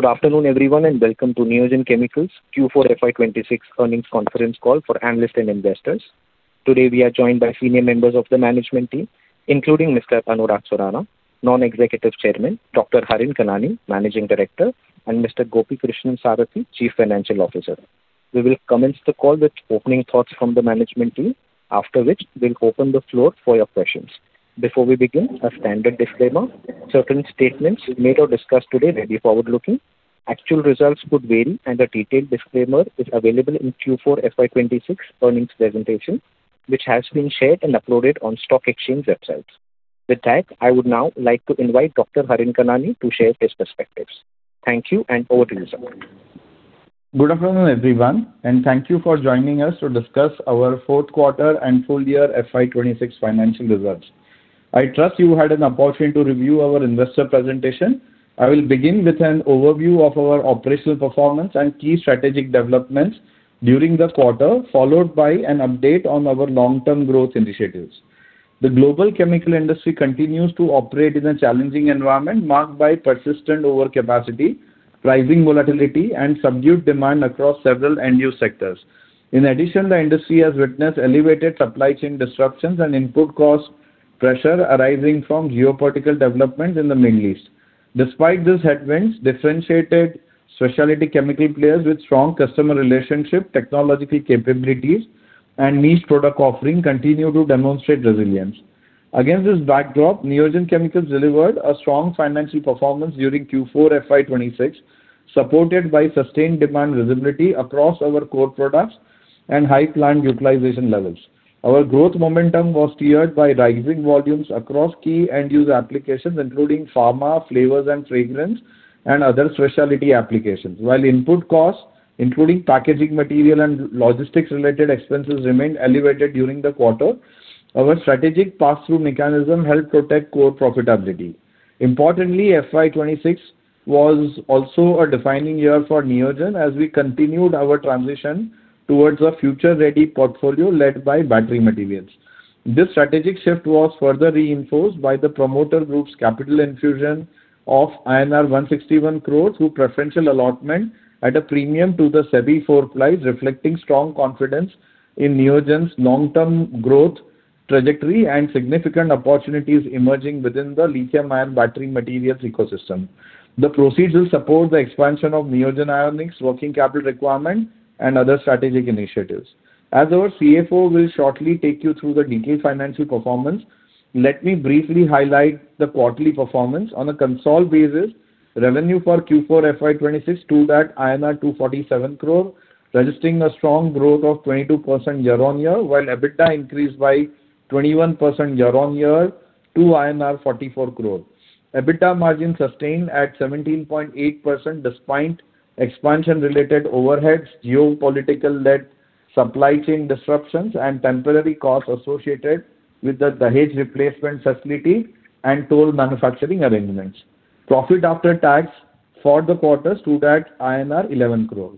Good afternoon, everyone, and welcome to Neogen Chemicals Q4 FY 2026 earnings conference call for analysts and investors. Today, we are joined by senior members of the management team, including Mr. Anurag Surana, Non-Executive Chairman, Dr. Harin Kanani, Managing Director, and Mr. Gopikrishnan Sarathy, Chief Financial Officer. We will commence the call with opening thoughts from the management team, after which we'll open the floor for your questions. Before we begin, a standard disclaimer. Certain statements made or discussed today may be forward-looking. Actual results could vary. A detailed disclaimer is available in Q4 FY 2026 earnings presentation, which has been shared and uploaded on stock exchange websites. With that, I would now like to invite Dr. Harin Kanani to share his perspectives. Thank you. Over to you, sir. Good afternoon, everyone, and thank you for joining us to discuss our fourth quarter and full year FY 2026 financial results. I trust you had an opportunity to review our investor presentation. I will begin with an overview of our operational performance and key strategic developments during the quarter, followed by an update on our long-term growth initiatives. The global chemical industry continues to operate in a challenging environment marked by persistent overcapacity, rising volatility, and subdued demand across several end-use sectors. In addition, the industry has witnessed elevated supply chain disruptions and input cost pressure arising from geopolitical developments in the Middle East. Despite these headwinds, differentiated specialty chemical players with strong customer relationship, technological capabilities, and niche product offering continue to demonstrate resilience. Against this backdrop, Neogen Chemicals delivered a strong financial performance during Q4 FY 2026, supported by sustained demand visibility across our core products and high plant utilization levels. Our growth momentum was steered by rising volumes across key end-use applications, including pharma, flavors and fragrance, and other specialty applications. While input costs, including packaging material and logistics-related expenses remained elevated during the quarter, our strategic passthrough mechanism helped protect core profitability. Importantly, FY 2026 was also a defining year for Neogen as we continued our transition towards a future-ready portfolio led by battery materials. This strategic shift was further reinforced by the promoter group's capital infusion of INR 161 crore through preferential allotment at a premium to the SEBI floor price, reflecting strong confidence in Neogen's long-term growth trajectory and significant opportunities emerging within the lithium-ion battery materials ecosystem. The proceeds will support the expansion of Neogen Ionics working capital requirement and other strategic initiatives. As our CFO will shortly take you through the detailed financial performance, let me briefly highlight the quarterly performance. On a consolidated basis, revenue for Q4 FY 2026 stood at INR 247 crore, registering a strong growth of 22% year-on-year, while EBITDA increased by 21% year-on-year to INR 44 crore. EBITDA margin sustained at 17.8% despite expansion-related overheads, geopolitical-led supply chain disruptions, and temporary costs associated with the Dahej replacement facility and toll manufacturing arrangements. Profit after tax for the quarter stood at INR 11 crore.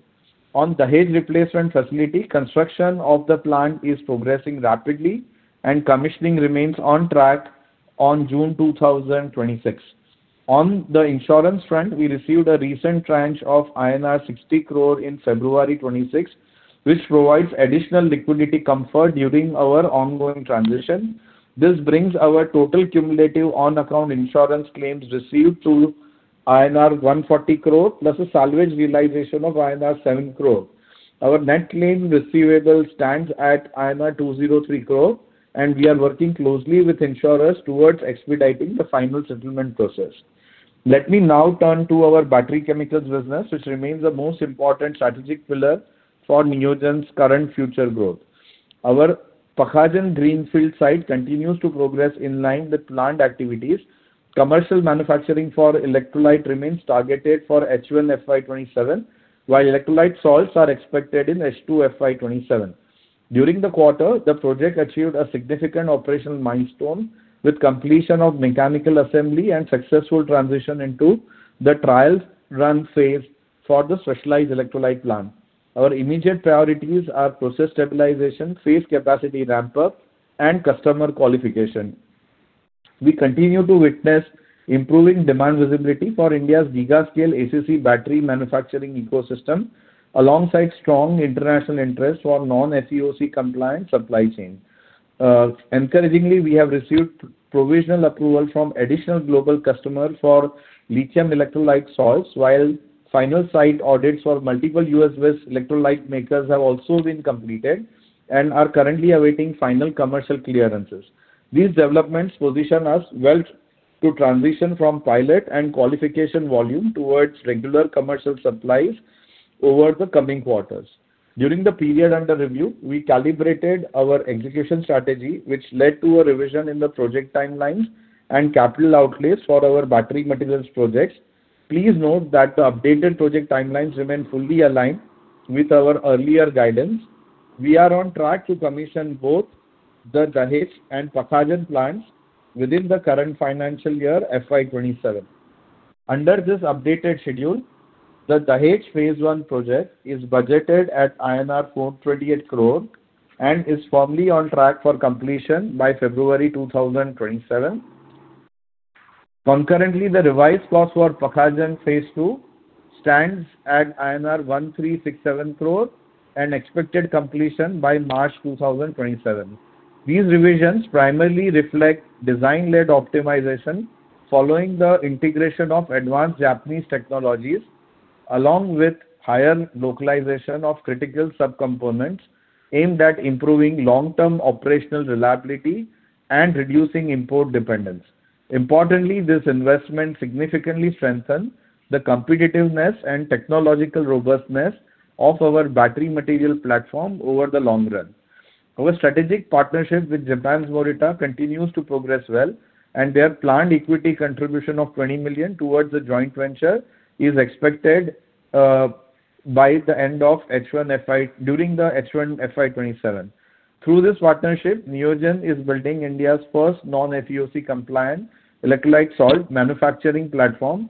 On Dahej replacement facility, construction of the plant is progressing rapidly and commissioning remains on track on June 2026. On the insurance front, we received a recent tranche of INR 60 crore in February 26, which provides additional liquidity comfort during our ongoing transition. This brings our total cumulative on-account insurance claims received to INR 140 crore plus a salvage realization of INR 7 crore. Our net claim receivable stands at INR 203 crore, and we are working closely with insurers towards expediting the final settlement process. Let me now turn to our battery chemicals business, which remains the most important strategic pillar for Neogen Chemicals' current future growth. Our Pakhajan greenfield site continues to progress in line with planned activities. Commercial manufacturing for electrolyte remains targeted for H1 FY 2027, while electrolyte salts are expected in H2 FY 2027. During the quarter, the project achieved a significant operational milestone with completion of mechanical assembly and successful transition into the trials run phase for the specialized electrolyte plant. Our immediate priorities are process stabilization, phase capacity ramp-up, and customer qualification. We continue to witness improving demand visibility for India's gigafactory ACC battery manufacturing ecosystem, alongside strong international interest for non-FEOC compliant supply chain. Encouragingly, we have received provisional approval from additional global customers for lithium electrolyte salts, while final site audits for multiple U.S.-based electrolyte makers have also been completed and are currently awaiting final commercial clearances. These developments position us well to transition from pilot and qualification volume towards regular commercial supplies over the coming quarters. During the period under review, we calibrated our execution strategy, which led to a revision in the project timelines and capital outlays for our battery materials projects. Please note that the updated project timelines remain fully aligned with our earlier guidance. We are on track to commission both the Dahej and Pakhajan plants within the current financial year, FY 2027. Under this updated schedule, the Dahej Phase 1 project is budgeted at INR 428 crore and is firmly on track for completion by February 2027. Concurrently, the revised cost for Pakhajan Phase 2 stands at INR 1,367 crore and expected completion by March 2027. These revisions primarily reflect design-led optimization following the integration of advanced Japanese technologies, along with higher localization of critical subcomponents aimed at improving long-term operational reliability and reducing import dependence. Importantly, this investment significantly strengthens the competitiveness and technological robustness of our battery material platform over the long run. Our strategic partnership with Japan's Morita continues to progress well, and their planned equity contribution of $20 million towards the joint venture is expected during the H1 FY 2027. Through this partnership, Neogen is building India's first non-FEOC compliant electrolyte salt manufacturing platform,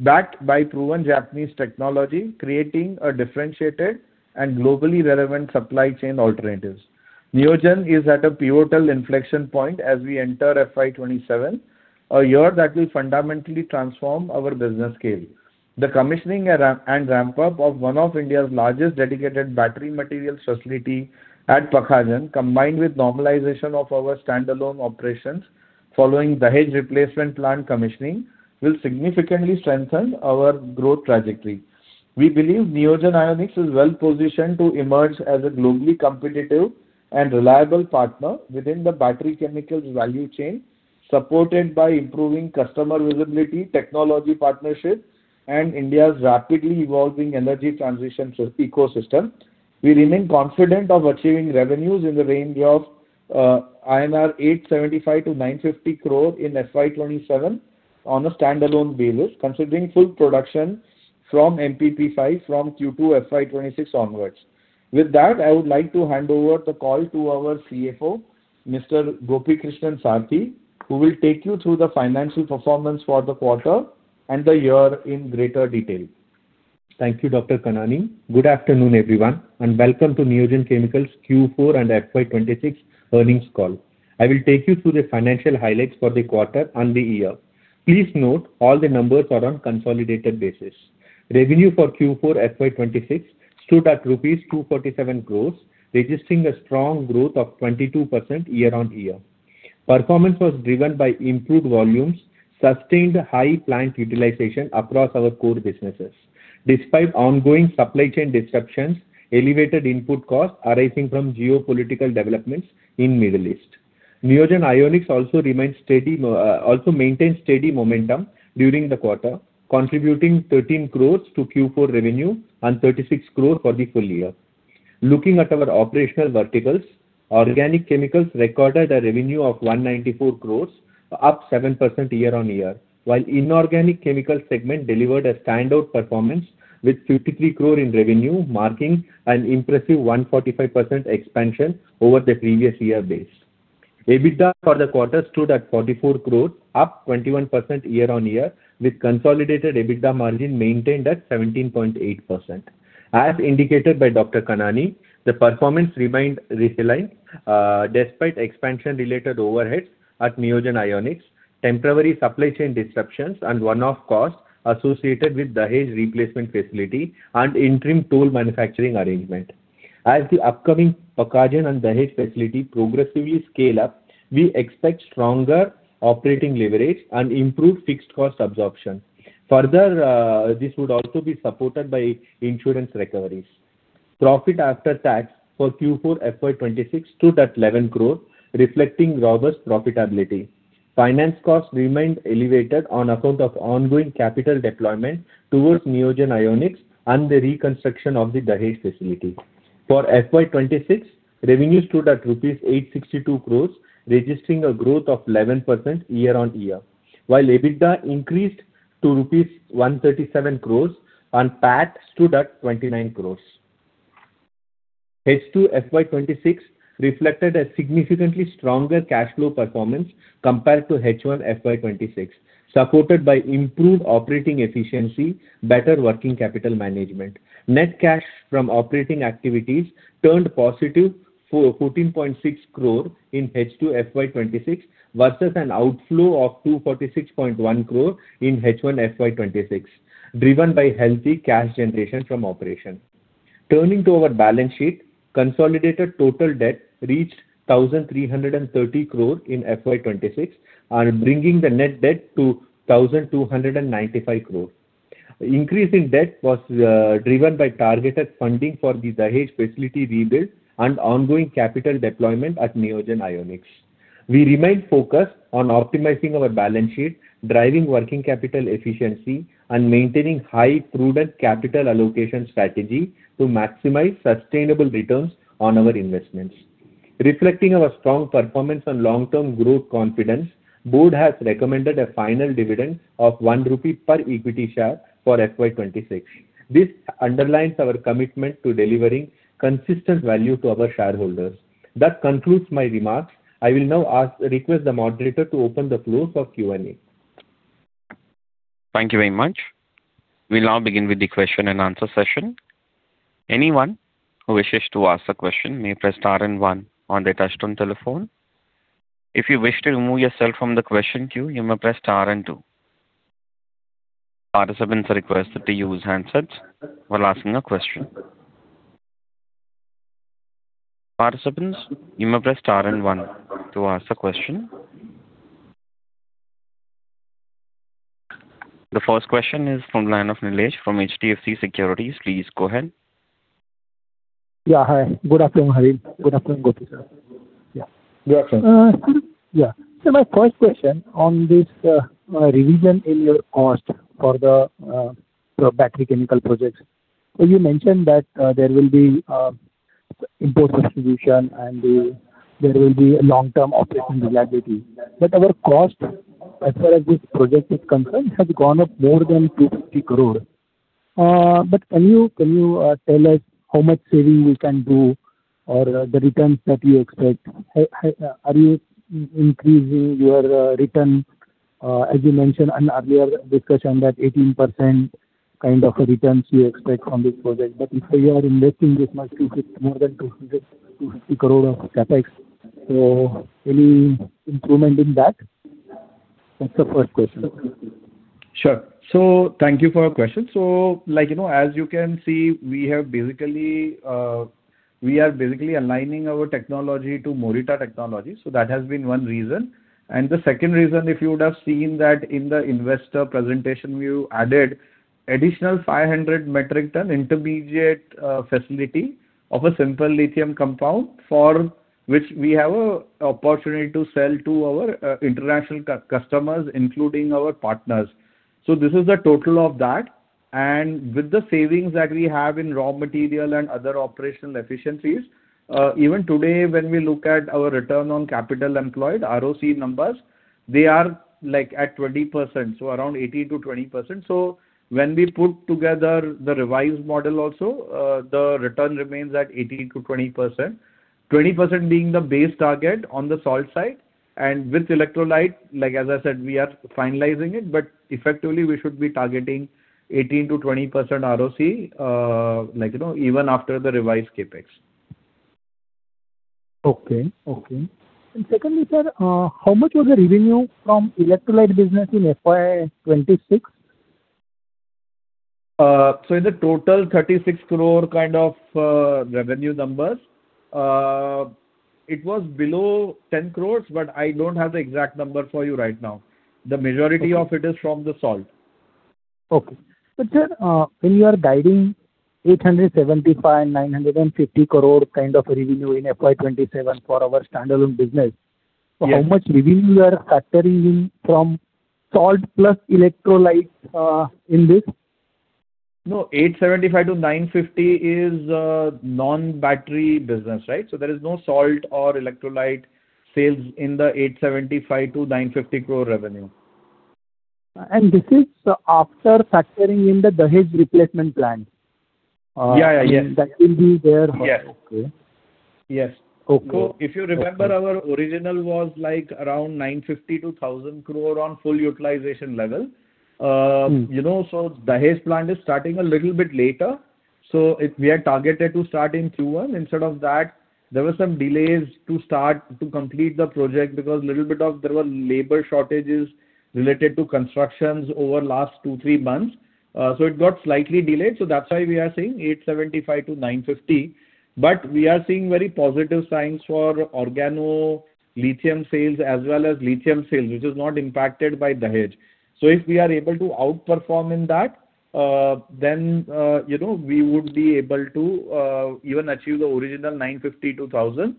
backed by proven Japanese technology, creating a differentiated and globally relevant supply chain alternatives. Neogen is at a pivotal inflection point as we enter FY 2027, a year that will fundamentally transform our business scale. The commissioning and ramp-up of one of India's largest dedicated battery materials facility at Pakhajan, combined with normalization of our standalone operations following Dahej replacement plant commissioning, will significantly strengthen our growth trajectory. We believe Neogen Ionics is well-positioned to emerge as a globally competitive and reliable partner within the battery chemicals value chain, supported by improving customer visibility, technology partnerships, and India's rapidly evolving energy transition ecosystem. We remain confident of achieving revenues in the range of 875 crore-950 crore INR in FY 2027 on a standalone basis, considering full production from MPP-5 from Q2 FY 2026 onwards. With that, I would like to hand over the call to our CFO, Mr. Gopikrishnan Sarathy, who will take you through the financial performance for the quarter and the year in greater detail. Thank you, Dr. Kanani. Good afternoon, everyone, and welcome to Neogen Chemicals Q4 and FY 2026 earnings call. I will take you through the financial highlights for the quarter and the year. Please note all the numbers are on consolidated basis. Revenue for Q4 FY 2026 stood at rupees 247 crores, registering a strong growth of 22% year-on-year. Performance was driven by improved volumes, sustained high plant utilization across our core businesses. Despite ongoing supply chain disruptions, elevated input costs arising from geopolitical developments in Middle East. Neogen Ionics also maintains steady momentum during the quarter, contributing 13 crores to Q4 revenue and 36 crore for the full year. Looking at our operational verticals, organic chemicals recorded a revenue of 194 crore, up 7% year-on-year, while inorganic chemical segment delivered a standout performance with 53 crore in revenue, marking an impressive 145% expansion over the previous year base. EBITDA for the quarter stood at 44 crore, up 21% year-on-year, with consolidated EBITDA margin maintained at 17.8%. As indicated by Dr. Kanani, the performance remained resilient despite expansion-related overheads at Neogen Ionics, temporary supply chain disruptions and one-off costs associated with Dahej replacement facility and interim tool manufacturing arrangement. As the upcoming Pakhajan and Dahej facility progressively scale up, we expect stronger operating leverage and improved fixed cost absorption. Further, this would also be supported by insurance recoveries. Profit after tax for Q4 FY 2026 stood at 11 crore, reflecting robust profitability. Finance costs remained elevated on account of ongoing capital deployment towards Neogen Ionics and the reconstruction of the Dahej facility. For FY 2026, revenue stood at rupees 862 crores, registering a growth of 11% year-over-year, while EBITDA increased to rupees 137 crores and PAT stood at 29 crores. H2 FY 2026 reflected a significantly stronger cash flow performance compared to H1 FY 2026, supported by improved operating efficiency, better working capital management. Net cash from operating activities turned positive for 14.6 crore in H2 FY 2026 versus an outflow of 246.1 crore in H1 FY 2026, driven by healthy cash generation from operation. Turning to our balance sheet, consolidated total debt reached 1,330 crore in FY 2026 and bringing the net debt to 1,295 crore. Increase in debt was driven by targeted funding for the Dahej facility rebuild and ongoing capital deployment at Neogen Ionics. We remain focused on optimizing our balance sheet, driving working capital efficiency, and maintaining high prudent capital allocation strategy to maximize sustainable returns on our investments. Reflecting our strong performance and long-term growth confidence, board has recommended a final dividend of 1 rupee per equity share for FY 2026. This underlines our commitment to delivering consistent value to our shareholders. That concludes my remarks. I will now request the moderator to open the floor for Q&A. Thank you very much. We'll now begin with the question-and-answer session. Anyone who wishes to ask a question may press star and one on their touchtone telephone. If you wish to remove yourself from the question queue, you may press star and two. Participants are requested to use handsets while asking a question. Participants, you may press star and one to ask a question. The first question is from line of Nilesh from HDFC Securities. Please go ahead. Yeah, hi. Good afternoon, Harin. Good afternoon, Gopi, sir. Yeah. Yes, sir. Yeah. My first question on this revision in your cost for the battery chemical projects. You mentioned that there will be import substitution and there will be a long-term operation reliability. Our cost, as far as this project is concerned, has gone up more than 250 crore. Can you tell us how much saving we can do or the returns that you expect? Are you increasing your return as you mentioned in earlier discussion that 18% kind of returns you expect from this project. If you are investing this much, more than 250 crore of CapEx. Any improvement in that? That's the first question. Thank you for your question. Like, you know, as you can see, we have basically, we are basically aligning our technology to Morita technology, so that has been one reason. The second reason, if you would have seen that in the investor presentation, we added additional 500 metric ton intermediate, facility of a simple lithium compound for which we have an opportunity to sell to our international customers, including our partners. This is the total of that. With the savings that we have in raw material and other operational efficiencies, even today, when we look at our Return on Capital Employed, ROC numbers, they are like at 20%, around 18%-20%. When we put together the revised model also, the return remains at 18%-20%. 20% being the base target on the salt side and with electrolyte, like as I said, we are finalizing it, but effectively we should be targeting 18%-20% ROC, like, you know, even after the revised CapEx. Okay. Secondly, sir, how much was the revenue from electrolyte business in FY 2026? The total 36 crore kind of revenue numbers. It was below 10 crores, but I don't have the exact number for you right now. Okay. The majority of it is from the salt. Okay. Sir, when you are guiding 875 crore-950 crore kind of revenue in FY 2027 for our standalone business? Yes. How much revenue you are factoring in from salt plus electrolyte in this? No, 875 crore-950 crore is non-battery business, right? There is no salt or electrolyte sales in the 875 crore-950 crore revenue. This is after factoring in the Dahej replacement plant? Yeah, yeah. Yes. That will be there. Yes. Okay. Yes. Okay. If you remember, our original was, like, around 950 crore-1,000 crore on full utilization level. You know, Dahej plant is starting a little bit later. If we had targeted to start in Q1, instead of that, there were some delays to start to complete the project because little bit of there were labor shortages related to constructions over last two, three months. It got slightly delayed. That is why we are saying 875-950. We are seeing very positive signs for organolithium sales as well as lithium sales, which is not impacted by Dahej. If we are able to outperform in that, then, you know, we would be able to even achieve the original 950-1,000.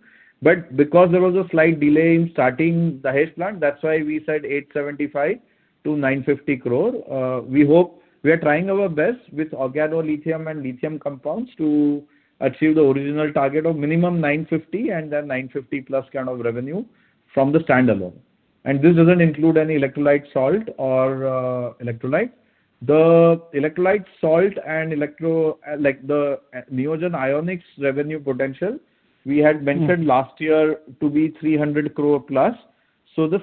Because there was a slight delay in starting Dahej plant, that is why we said 875 crore-950 crore. We are trying our best with organolithium and lithium compounds to achieve the original target of minimum 950 and then 950 plus kind of revenue from the standalone. This doesn't include any electrolyte salt or electrolyte. The electrolyte salt and, like, the Neogen Ionics revenue potential, we had mentioned. last year to be 300 crore plus.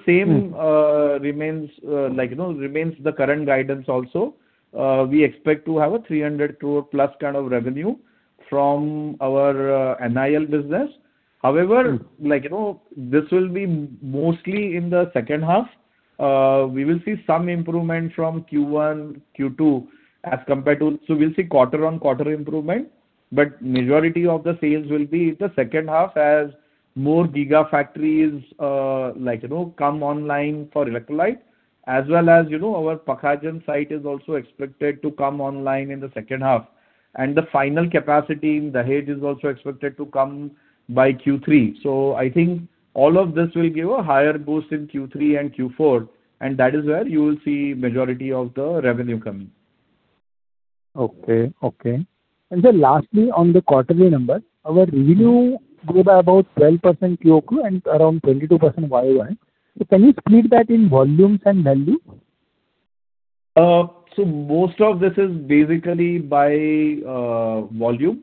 remains, like, you know, the current guidance also. We expect to have a 300 crore plus kind of revenue from our NIL business. Like, you know, this will be mostly in the second half. We'll see quarter-on-quarter improvement, but majority of the sales will be the second half as more gigafactories, like, you know, come online for electrolyte. As well as, you know, our Pakhajan site is also expected to come online in the second half. The final capacity in Dahej is also expected to come by Q3. I think all of this will give a higher boost in Q3 and Q4, and that is where you will see majority of the revenue coming. Okay. Okay. Lastly, on the quarterly numbers, our revenue grew by about 12% QOQ and around 22% YoY. Can you split that in volumes and value? Most of this is basically by volume.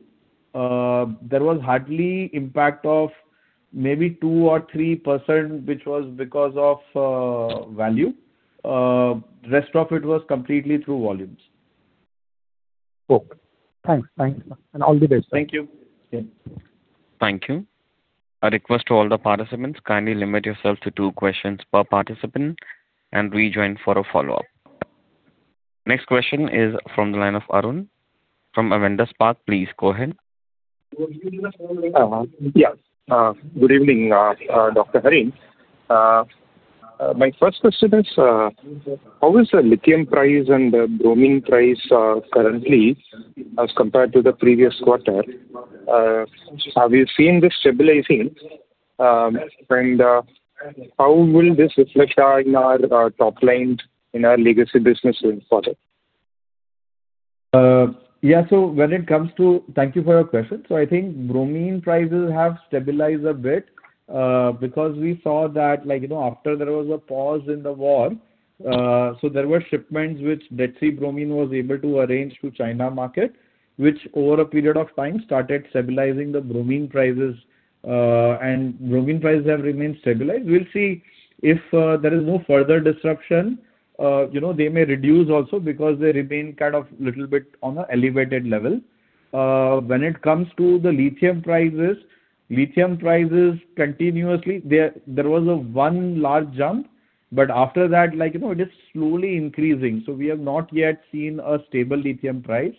There was hardly impact of maybe 2% or 3% which was because of value. Rest of it was completely through volumes. Cool. Thanks. Thanks. All the best. Thank you. Yeah. Thank you. A request to all the participants, kindly limit yourself to two questions per participant and rejoin for a follow-up. Next question is from the line of Arun from Avendus Spark. Please go ahead. Yeah. Good evening, Dr. Harin. My first question is, how is the lithium price and the bromine price currently as compared to the previous quarter? Have you seen this stabilizing? How will this reflect in our top line in our legacy business going forward? Thank you for your question. I think bromine prices have stabilized a bit, because we saw that after there was a pause in the war, there were shipments which Dead Sea Bromine was able to arrange to China market, which over a period of time started stabilizing the bromine prices. Bromine prices have remained stabilized. We'll see if there is no further disruption. They may reduce also because they remain kind of little bit on an elevated level. When it comes to the lithium prices, lithium prices continuously there was a one large jump, after that, it is slowly increasing. We have not yet seen a stable lithium price.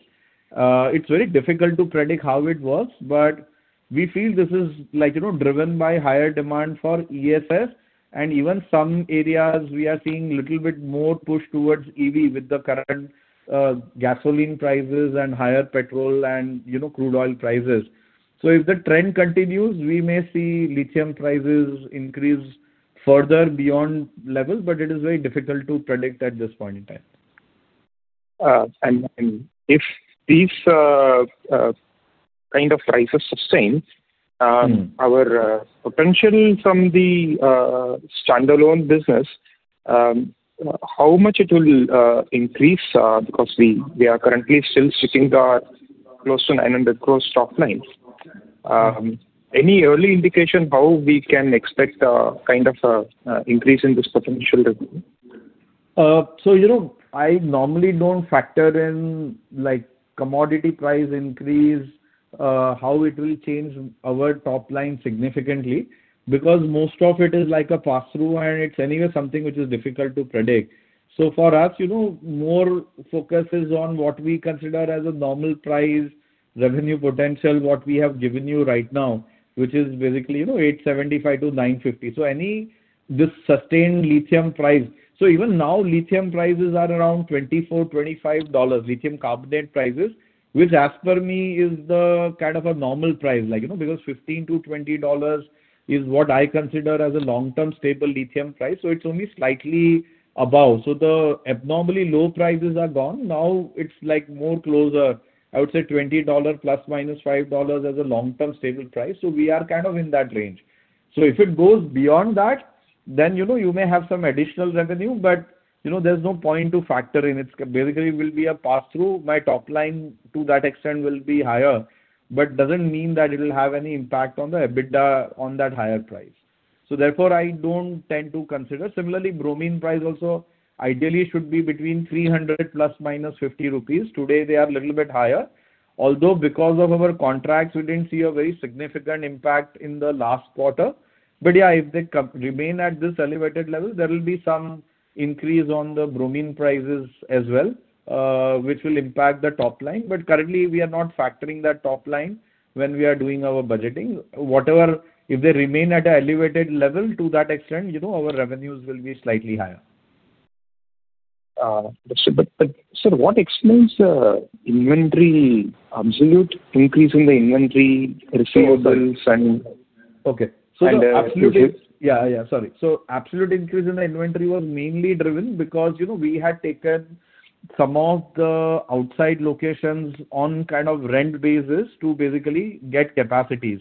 It's very difficult to predict how it works, but we feel this is like, you know, driven by higher demand for ESS and even some areas we are seeing little bit more push towards EV with the current gasoline prices and higher petrol and, you know, crude oil prices. If the trend continues, we may see lithium prices increase further beyond level, but it is very difficult to predict at this point in time. If these kind of prices sustain. Our potential from the standalone business, how much it will increase, because we are currently still sitting at close to 900 crore top line. Any early indication how we can expect kind of increase in this potential revenue? You know, I normally don't factor in like commodity price increase, how it will change our top line significantly because most of it is like a pass-through and it's anyway something which is difficult to predict. For us, you know, more focus is on what we consider as a normal price revenue potential, what we have given you right now, which is basically, you know, 875-950. Any this sustained lithium price. Even now lithium prices are around $24-$25, lithium carbonate prices, which as per me is the kind of a normal price. Like, you know, because $15-$20 is what I consider as a long-term stable lithium price, it's only slightly above. The abnormally low prices are gone. Now it's like more closer, I would say $20 ± $5 as a long-term stable price. We are kind of in that range. If it goes beyond that, then you know, you may have some additional revenue, but you know, there's no point to factor in. It's basically will be a pass-through. My top line to that extent will be higher, but doesn't mean that it'll have any impact on the EBITDA on that higher price. Therefore, I don't tend to consider. Similarly, bromine price also ideally should be between 300 ± 50 rupees. Today they are little bit higher, although because of our contracts we didn't see a very significant impact in the last quarter. Yeah, if they remain at this elevated level, there will be some increase on the bromine prices as well, which will impact the top line. Currently we are not factoring that top line when we are doing our budgeting. If they remain at a elevated level to that extent, you know, our revenues will be slightly higher. Sir, what explains inventory absolute increase in the inventory receivables and? Okay. Futures. Sorry. Absolute increase in the inventory was mainly driven because, you know, we had taken some of the outside locations on kind of rent basis to basically get capacities.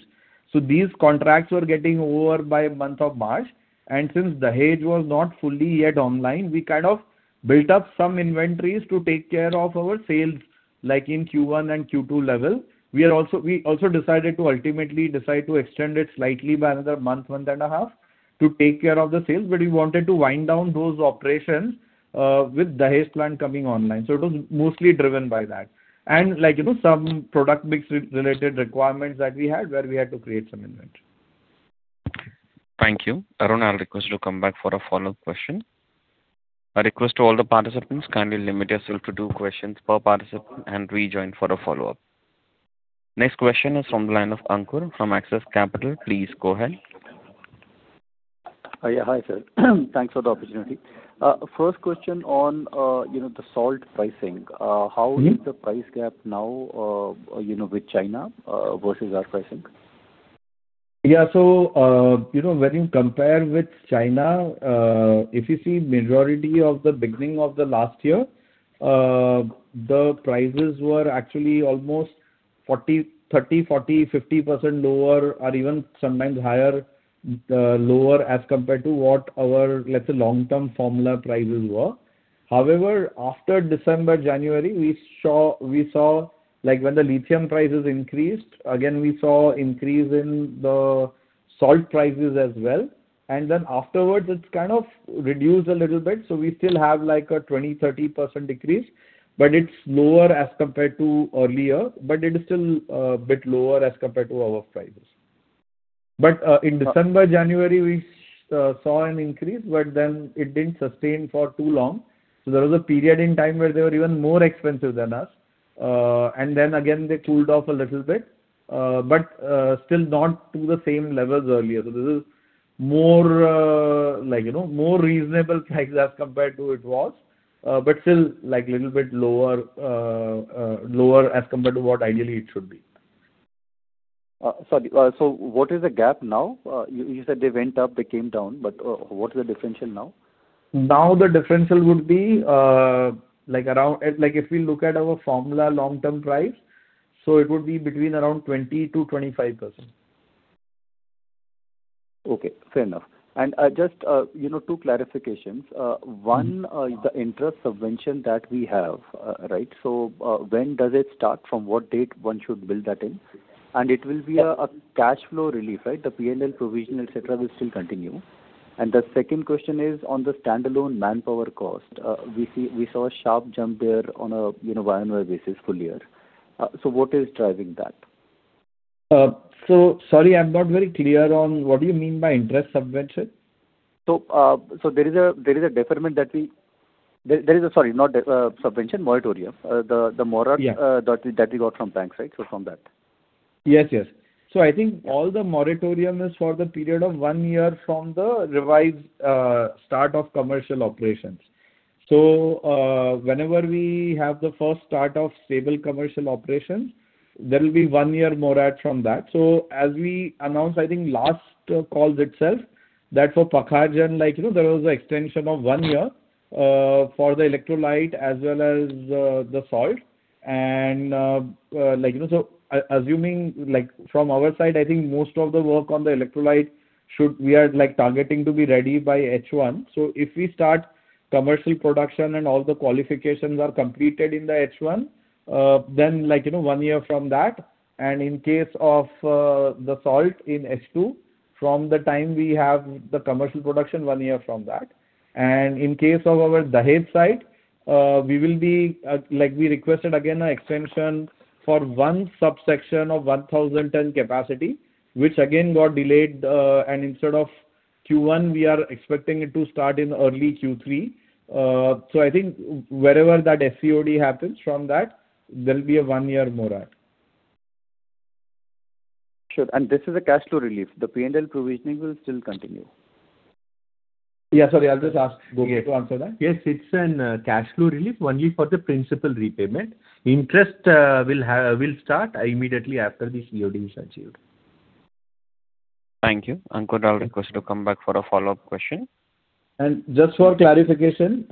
These contracts were getting over by month of March, and since Dahej was not fully yet online, we kind of built up some inventories to take care of our sales, like in Q1 and Q2 level. We also decided to ultimately extend it slightly by another month and a half to take care of the sales. We wanted to wind down those operations with Dahej plant coming online. It was mostly driven by that. Like, you know, some product mix related requirements that we had where we had to create some inventory. Thank you. Arun, I'll request you to come back for a follow-up question. A request to all the participants, kindly limit yourself to two questions per participant and rejoin for a follow-up. Next question is from the line of Ankur from Axis Capital. Please go ahead. Hi, sir. Thanks for the opportunity. First question on, you know, the salt pricing. What is the price gap now, you know, with China, versus our pricing? Yeah. When you compare with China, if you see majority of the beginning of the last year, the prices were actually almost 40%, 30%, 40%, 50% lower or even sometimes higher, lower as compared to what our, let's say, long-term formula prices were. However, after December, January, we saw like when the lithium prices increased, again, we saw increase in the salt prices as well. Afterwards, it's kind of reduced a little bit. We still have like a 20%, 30% decrease, but it's lower as compared to earlier. It is still bit lower as compared to our prices. In December, January, we saw an increase, but then it didn't sustain for too long. There was a period in time where they were even more expensive than us. Then again, they cooled off a little bit, but still not to the same levels earlier. This is more, like, you know, more reasonable price as compared to it was, still like little bit lower as compared to what ideally it should be. Sorry. What is the gap now? You said they went up, they came down, what is the differential now? The differential would be, like if we look at our formula long-term price, it would be between 20%-25%. Okay, fair enough. You know, two clarifications. One, the interest subvention that we have, right? When does it start? From what date one should build that in? It will be a cash flow relief, right? The P&L provision, et cetera, will still continue. The second question is on the standalone manpower cost. We saw a sharp jump there on a, you know, year-over-year basis full year. What is driving that? Sorry, I'm not very clear on what do you mean by interest subvention? There is a subvention, moratorium. Yeah that we got from banks, right? Yes. I think all the moratorium is for the period of one year from the revised start of commercial operations. Whenever we have the first start of stable commercial operations, there will be one year morat from that. As we announced, I think last calls itself, that for Pakhajan, there was an extension of one year for the electrolyte as well as the salt and, assuming from our side, I think most of the work on the electrolyte We are targeting to be ready by H1. If we start commercial production and all the qualifications are completed in the H1, then like, you know, one year from that and in case of the salt in H2 from the time we have the commercial production one year from that. In case of our Dahej site, we will be, like we requested again an extension for one subsection of 1,000 ton capacity, which again got delayed. Instead of Q1, we are expecting it to start in early Q3. I think wherever that SCOD happens from that, there will be a one-year moratorium. Sure. This is a cash flow relief. The P&L provisioning will still continue. Yeah, sorry. I'll just ask Gopi to answer that. It's an cash flow relief only for the principal repayment. Interest will start immediately after the COD is achieved. Thank you. Ankur, I'll request you to come back for a follow-up question. Just for clarification,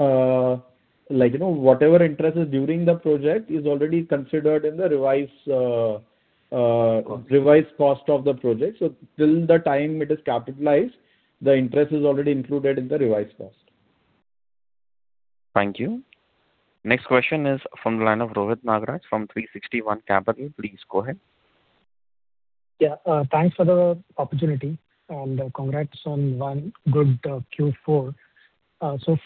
like, you know, whatever interest is during the project is already considered in the revised cost of the project. Till the time it is capitalized, the interest is already included in the revised cost. Thank you. Next question is from the line of Rohit Nagraj from 360 ONE Capital. Please go ahead. Thanks for the opportunity, and congrats on one good Q4.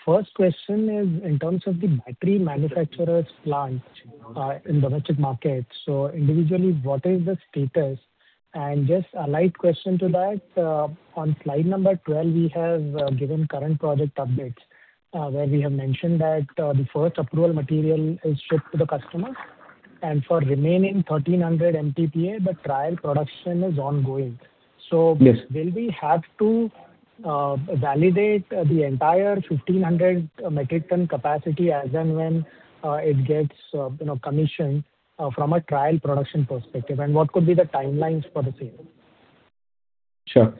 First question is in terms of the battery manufacturers plants in domestic markets. Individually, what is the status? Just a light question to that, on slide number 12, we have given current project updates, where we have mentioned that the first approval material is shipped to the customers and for remaining 1,300 MTPA, the trial production is ongoing. Yes Will we have to validate the entire 1,500 metric ton capacity as and when it gets, you know, commissioned from a trial production perspective? What could be the timelines for the same? Sure.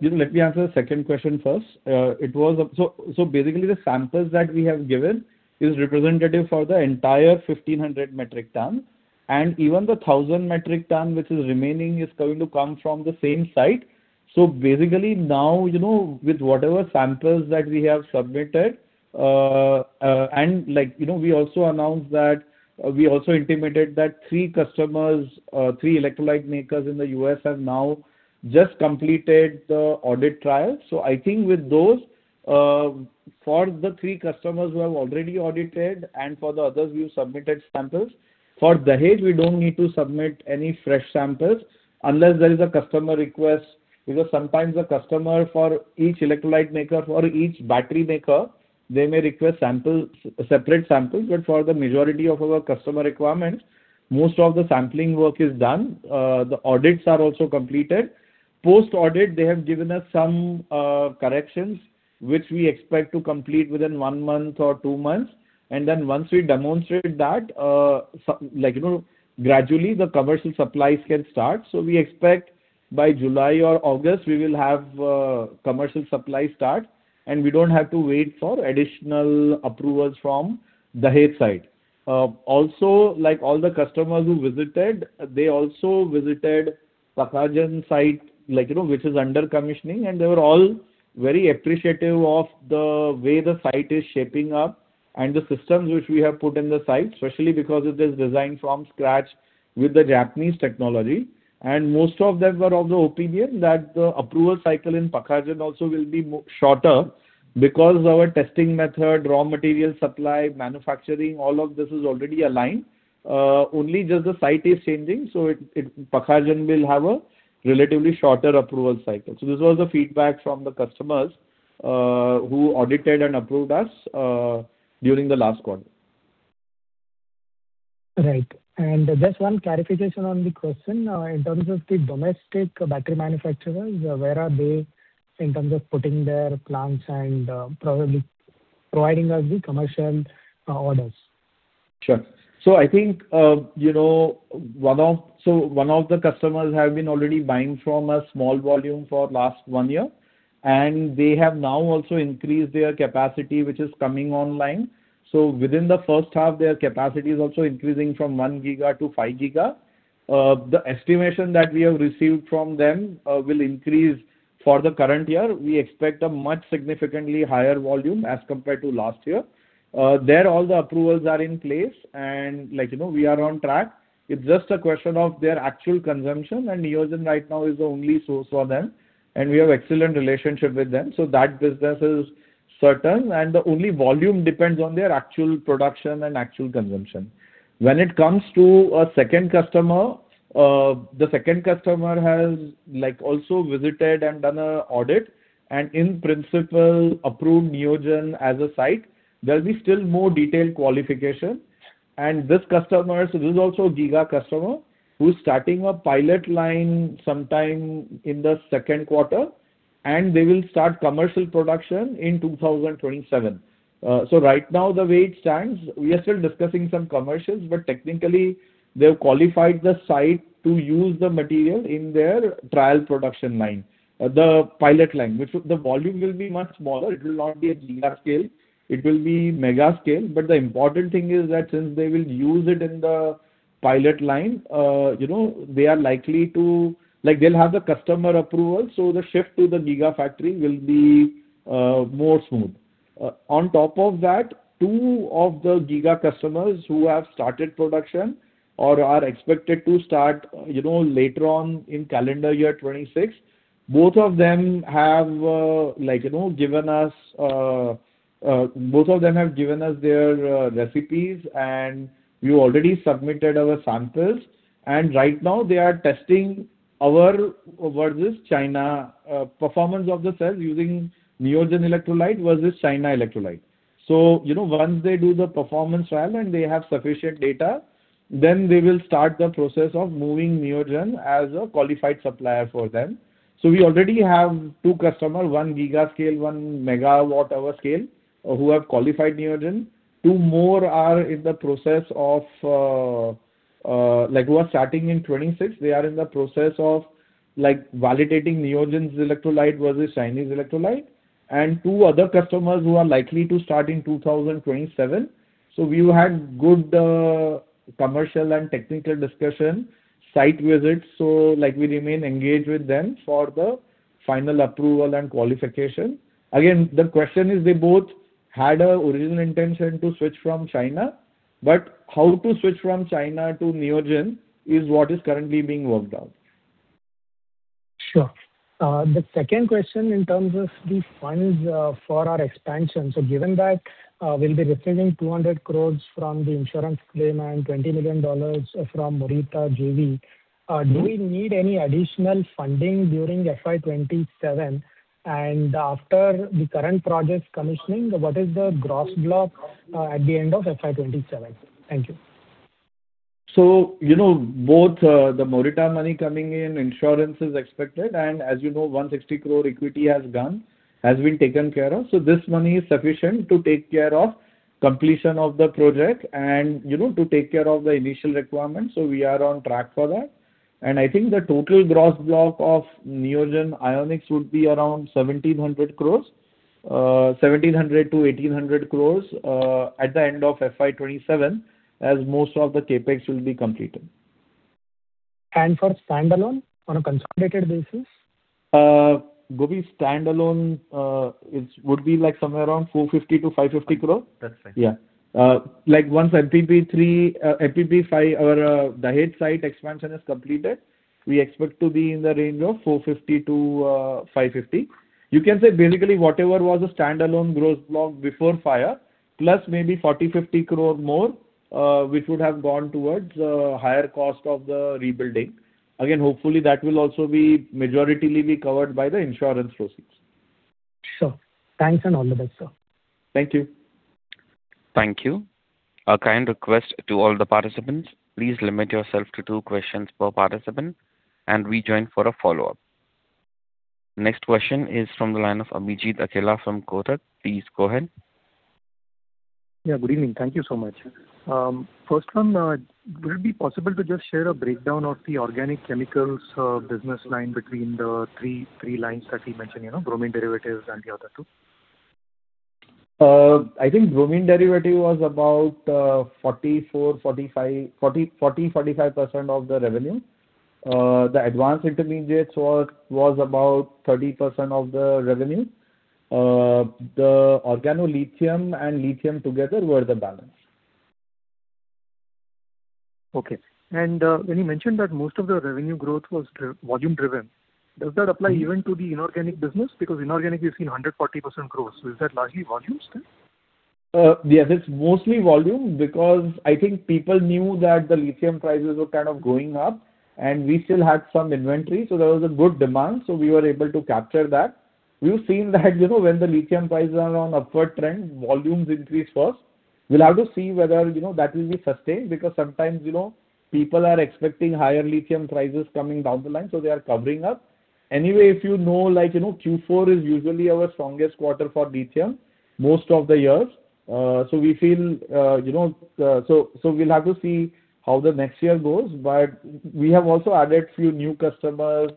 You know, let me answer the second question first. Basically the samples that we have given is representative for the entire 1,500 metric tons, and even the 1,000 metric tons, which is remaining, is going to come from the same site. Basically now, you know, with whatever samples that we have submitted, and like, you know, we also announced that we also intimated that three customers, three electrolyte makers in the U.S. have now just completed the audit trail. I think with those, for the three customers who have already audited and for the others, we've submitted samples. For Dahej, we don't need to submit any fresh samples unless there is a customer request. Sometimes the customer for each electrolyte maker, for each battery maker, they may request samples, separate samples. For the majority of our customer requirements, most of the sampling work is done. The audits are also completed. Post-audit, they have given us some corrections, which we expect to complete within one month or two months. Once we demonstrate that, some, like, you know, gradually the commercial supplies can start. We expect by July or August, we will have commercial supply start, and we don't have to wait for additional approvals from Dahej side. Like all the customers who visited, they also visited Pakhajan site, like, you know, which is under commissioning, and they were all very appreciative of the way the site is shaping up and the systems which we have put in the site, especially because it is designed from scratch with the Japanese technology. Most of them were of the opinion that the approval cycle in Pakhajan also will be shorter because our testing method, raw material supply, manufacturing, all of this is already aligned. Only just the site is changing, so it Pakhajan will have a relatively shorter approval cycle. This was the feedback from the customers who audited and approved us during the last quarter. Right. Just one clarification on the question. In terms of the domestic battery manufacturers, where are they in terms of putting their plants and probably providing us the commercial orders? Sure. I think, you know, one of the customers have been already buying from us small volume for last one year, and they have now also increased their capacity, which is coming online. Within the first half, their capacity is also increasing from 1 giga to 5 giga. The estimation that we have received from them, will increase for the current year. We expect a much significantly higher volume as compared to last year. There all the approvals are in place and, like, you know, we are on track. It's just a question of their actual consumption, and Neogen right now is the only source for them, and we have excellent relationship with them. That business is certain, and the only volume depends on their actual production and actual consumption. When it comes to a second customer, the second customer has, like, also visited and done a audit and in principle approved Neogen as a site. There will be still more detailed qualification. This customer, this is also a giga customer who is starting a pilot line sometime in the second quarter, and they will start commercial production in 2027. Right now, the way it stands, we are still discussing some commercials, but technically they have qualified the site to use the material in their trial production line, the pilot line. Which the volume will be much smaller. It will not be a giga scale, it will be mega scale. The important thing is that since they will use it in the pilot line, you know, they are likely to, they'll have the customer approval, so the shift to the gigafactory will be more smooth. On top of that, two of the giga customers who have started production or are expected to start, you know, later on in calendar year 2026, both of them have, like, you know, given us their recipes and we already submitted our samples. Right now they are testing our versus China performance of the cells using Neogen electrolyte versus China electrolyte. You know, once they do the performance trial and they have sufficient data, then they will start the process of moving Neogen as a qualified supplier for them. We already have two customers, one gigascale, 1 MWh scale, who have qualified Neogen. Two more are in the process of, like, who are starting in 2026. They are in the process of, like, validating Neogen's electrolyte versus Chinese electrolyte. Two other customers who are likely to start in 2027. We've had good commercial and technical discussion, site visits. Like, we remain engaged with them for the final approval and qualification. Again, the question is they both had an original intention to switch from China, but how to switch from China to Neogen is what is currently being worked out. Sure. The second question in terms of the funds for our expansion. Given that we'll be receiving 200 crores from the insurance claim and $20 million from Morita JV, do we need any additional funding during FY 2027? After the current project commissioning, what is the gross block at the end of FY 2027? Thank you. You know, both, the Morita money coming in, insurance is expected, and as you know, 160 crore equity has been taken care of. This money is sufficient to take care of completion of the project and, you know, to take care of the initial requirements. We are on track for that. I think the total gross block of Neogen Ionics would be around 1,700 crore, 1,700 crore-1,800 crore at the end of FY 2027, as most of the CapEx will be completed. For standalone on a consolidated basis? Gopi, standalone, would be like somewhere around 450 crore-550 crore. That's fine. Yeah. like once MPP-3, MPP-5 or Dahej site expansion is completed, we expect to be in the range of 450-550. You can say basically whatever was the standalone gross block before fire, plus maybe 40-50 crore more, which would have gone towards higher cost of the rebuilding. Again, hopefully, that will also be majority will be covered by the insurance proceeds. Sure. Thanks and all the best, sir. Thank you. Thank you. A kind request to all the participants. Please limit yourself to two questions per participant and rejoin for a follow-up. Next question is from the line of Abhijit Akella from Kotak. Please go ahead. Yeah, good evening. Thank you so much. First one, would it be possible to just share a breakdown of the organic chemicals business line between the three lines that you mentioned, you know, bromine derivatives and the other two? I think bromine derivative was about 44%-45% of the revenue. The advanced intermediates was about 30% of the revenue. The organolithium and lithium together were the balance. Okay. when you mentioned that most of the revenue growth was volume driven, does that apply even to the inorganic business? Because inorganic, we've seen 140% growth. Is that largely volume, sir? Yes, it's mostly volume because I think people knew that the lithium prices were kind of going up, and we still had some inventory, so there was a good demand, so we were able to capture that. We've seen that, you know, when the lithium prices are on upward trend, volumes increase first. We'll have to see whether, you know, that will be sustained because sometimes, you know, people are expecting higher lithium prices coming down the line, so they are covering up. Anyway, if you know, like, you know, Q4 is usually our strongest quarter for lithium most of the years. We feel, you know, we'll have to see how the next year goes. We have also added few new customers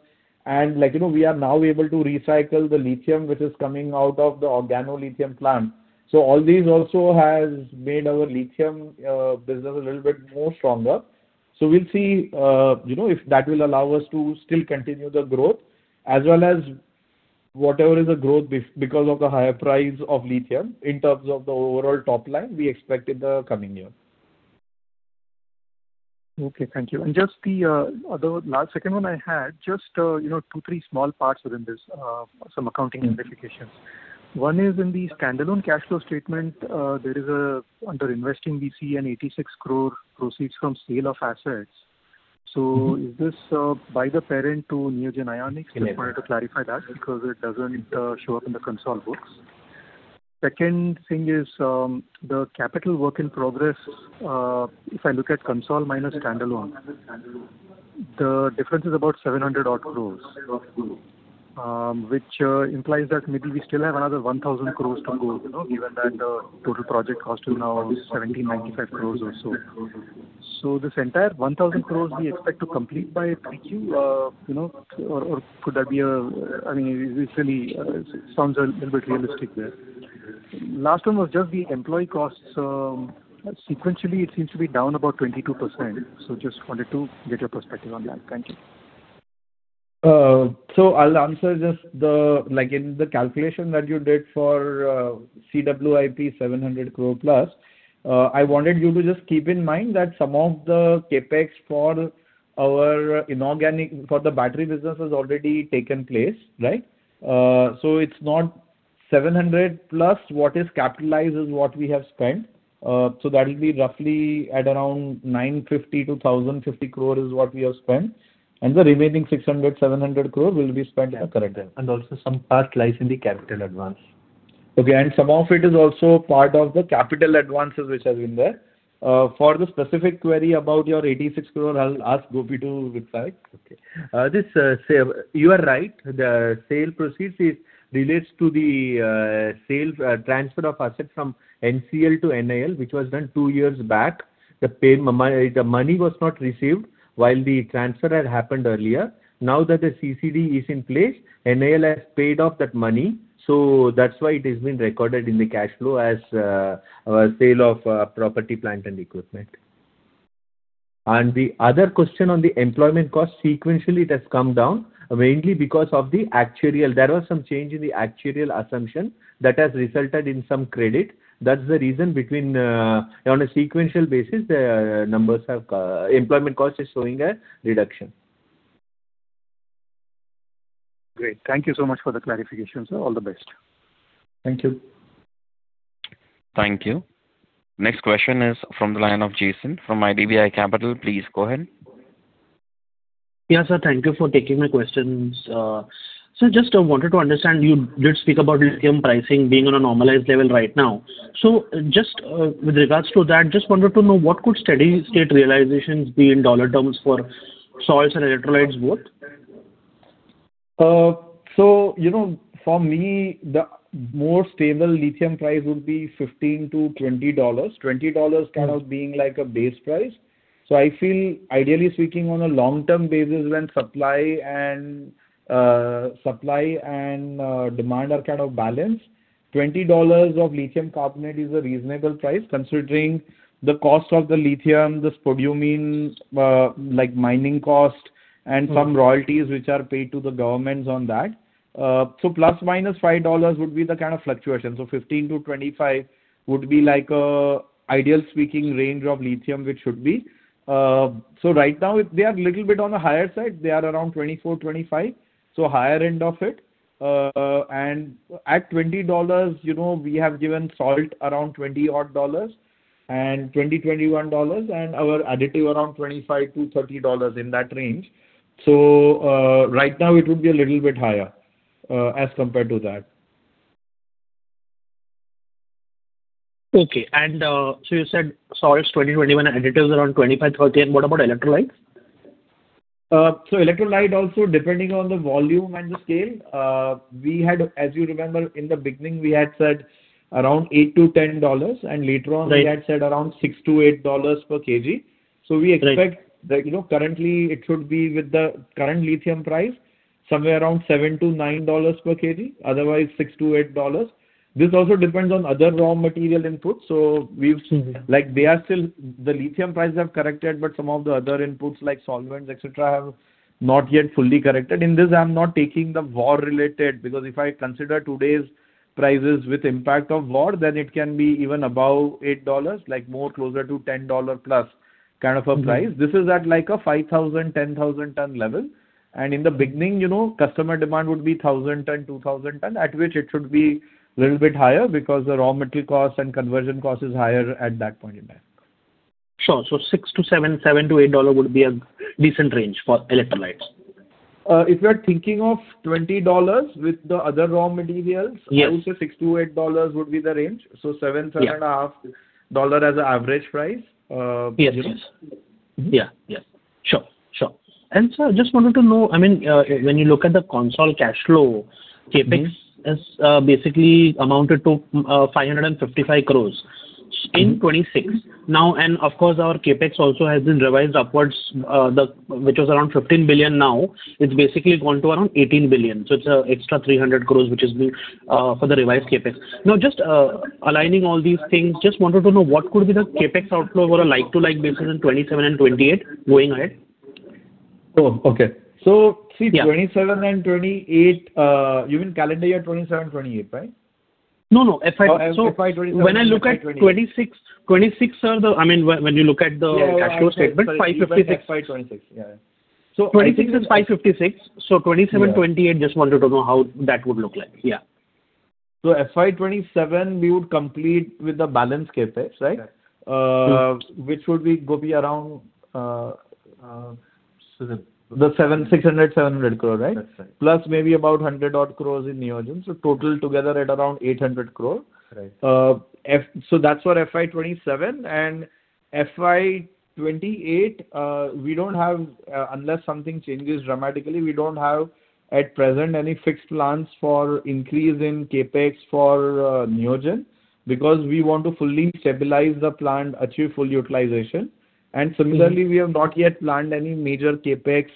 and, like, you know, we are now able to recycle the lithium which is coming out of the organolithium plant. All these also have made our lithium business a little bit more stronger. We'll see, you know, if that will allow us to still continue the growth as well as whatever is the growth because of the higher price of lithium in terms of the overall top line we expect in the coming year. Okay. Thank you. Just the second one I had, just, you know, two, three small parts within this, some accounting implications. One is in the standalone cash flow statement, under investing we see an 86 crore proceeds from sale of assets. Is this by the parent to Neogen Ionics? In it. Just wanted to clarify that because it doesn't show up in the console books. Second thing is, the capital work in progress, if I look at console minus standalone, the difference is about 700 odd crores, which implies that maybe we still have another 1,000 crores to go, you know, given that total project cost is now 1,795 crores or so. This entire 1,000 crores we expect to complete by 3Q, you know, or could that be a, I mean, it really sounds a little bit realistic there. Last one was just the employee costs. Sequentially it seems to be down about 22%. Just wanted to get your perspective on that. Thank you. I'll answer just the, like in the calculation that you did for CWIP 700 crore plus, I wanted you to just keep in mind that some of the CapEx for our inorganic, for the battery business has already taken place, right? It's not 700 plus what is capitalized is what we have spent. That'll be roughly at around 950 crore-1,050 crore is what we have spent, and the remaining 600 crore-700 crore will be spent at current time. Also some part lies in the capital advance. Okay. Some of it is also part of the capital advances which has been there. For the specific query about your 86 crore, I'll ask Gopi to reply. This sale, you are right. The sale proceeds relates to the sale transfer of assets from NCL to NIL, which was done two years back. The money was not received while the transfer had happened earlier. Now that the CCD is in place, NIL has paid off that money, so that's why it has been recorded in the cash flow as our sale of property, plant, and equipment. The other question on the employment cost, sequentially it has come down mainly because of the actuarial. There was some change in the actuarial assumption that has resulted in some credit. That's the reason between on a sequential basis, employment cost is showing a reduction. Great. Thank you so much for the clarification, sir. All the best. Thank you. Thank you. Next question is from the line of Jason from IDBI Capital. Please go ahead. Yeah, sir. Thank you for taking my questions. Just wanted to understand, you did speak about lithium pricing being on a normalized level right now. Just with regards to that, just wanted to know what could steady state realizations be in dollar terms for salts and electrolytes both? You know, for me, the more stable lithium price would be $15-$20. $20 kind of being like a base price. I feel ideally speaking on a long-term basis when supply and supply and demand are kind of balanced, $20 of lithium carbonate is a reasonable price considering the cost of the lithium, the spodumene, like mining cost and some royalties which are paid to the governments on that. ±$5 would be the kind of fluctuation. $15-$25 would be like a ideal speaking range of lithium, which should be. Right now they are little bit on the higher side. They are around $24, $25, higher end of it. At $20, you know, we have given salt around $20 odd and $20-$21, and our additive around $25-$30 in that range. Right now it would be a little bit higher as compared to that. Okay. You said salts $20-$21, and additives around $25-$30, and what about electrolytes? Electrolyte also depending on the volume and the scale. We had, as you remember in the beginning, we had said around $8-$10. Right we had said around $6-$8 per kg. Right. We expect that, you know, currently it should be with the current lithium price, somewhere around $7-$9 per kg, otherwise $6-$8. This also depends on other raw material inputs. The lithium prices have corrected, but some of the other inputs like solvents, et cetera, have not yet fully corrected. In this, I am not taking the war related, because if I consider today's prices with impact of war, then it can be even above $8, like more closer to $10+ kind of a price. This is at like a 5,000, 10,000 ton level. In the beginning, you know, customer demand would be 1,000 ton, 2,000 ton, at which it should be little bit higher because the raw material cost and conversion cost is higher at that point in time. Sure. $6-$7, $7-$8 would be a decent range for electrolytes. If you are thinking of $20 with the other raw materials. Yes. I would say $6-$8 would be the range. $7-$7.5 as an average price, you know. Yes, yes. Yeah. Yeah. Sure. Sure. Sir, just wanted to know, I mean, when you look at the consolidated cash flow, CapEx is basically amounted to 555 crores in 2026. Of course, our CapEx also has been revised upwards, which was around 15 billion. It's basically gone to around 18 billion. It's extra 300 crores, which is for the revised CapEx. Just aligning all these things, just wanted to know what could be the CapEx outflow over a like-to-like basis in 2027 and 2028 going ahead? Oh, okay. Yeah. 2027 and 2028, you mean calendar year 2027 and 2028, right? No, no. FY 2027-FY 2028. When I look at 2026 are the I mean, when you look at the cash flow statement, 556. Yeah, yeah. I checked. FY 2026. Yeah. 2026 is 556. 2027, 2028, just wanted to know how that would look like. Yeah. FY 2027, we would complete with the balance CapEx, right? Correct. which would be, go be around. Seven the 600 crore-700 crore, right? That's right. Plus maybe about 100 odd crores in Neogen. Total together at around 800 crore. Right. That's for FY 2027. FY 2028, we don't have, unless something changes dramatically, we don't have at present any fixed plans for increase in CapEx for Neogen, because we want to fully stabilize the plant, achieve full utilization. Similarly, we have not yet planned any major CapEx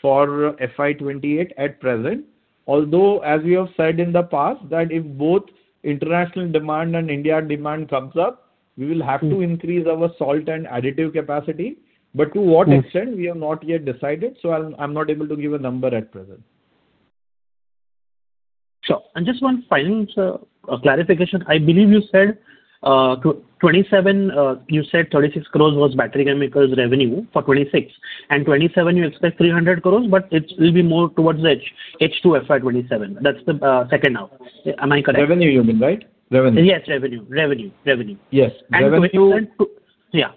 for FY 2028 at present. Although, as we have said in the past, that if both international demand and India demand comes up, we will have to increase our salt and additive capacity. To what extent, we have not yet decided, so I'm not able to give a number at present. Sure. Just one final, sir, clarification. I believe you said 2027, you said 36 crores was battery chemicals revenue for 2026. 2027, you expect 300 crores, but it will be more towards the H2 to FY 2027. That's the second half. Am I correct? Revenue you mean, right? Revenue. Yes, revenue. Revenue, revenue. Yes. Revenue- 2027 to Yeah.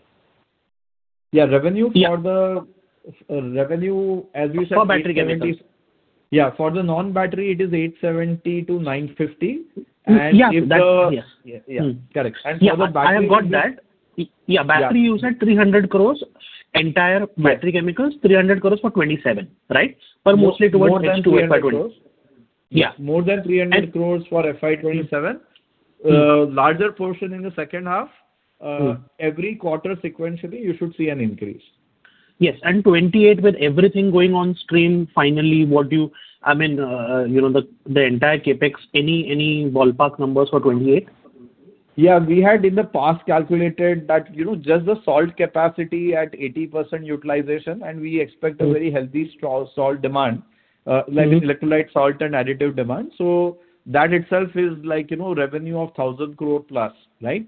Yeah, revenue for. Yeah. Revenue, as we said. For battery chemicals. Yeah, for the non-battery, it is 870-950. Yeah. That's Yeah. Yeah. Correct. for the battery- Yeah. I have got that. Yeah. Yeah, battery you said 300 crores, entire battery chemicals, 300 crores for 2027, right? Mostly towards H to FY 2028. More than 300 crores. Yeah. More than 300 crores for FY 2027. Larger portion in the second half. Every quarter sequentially, you should see an increase. Yes. 2028, with everything going on stream finally, what do you I mean, you know, the entire CapEx, any ballpark numbers for 2028? Yeah, we had in the past calculated that, you know, just the salt capacity at 80% utilization, we expect a very healthy salt demand, like electrolyte salt and additive demand. That itself is like, you know, revenue of 1,000 crore plus, right?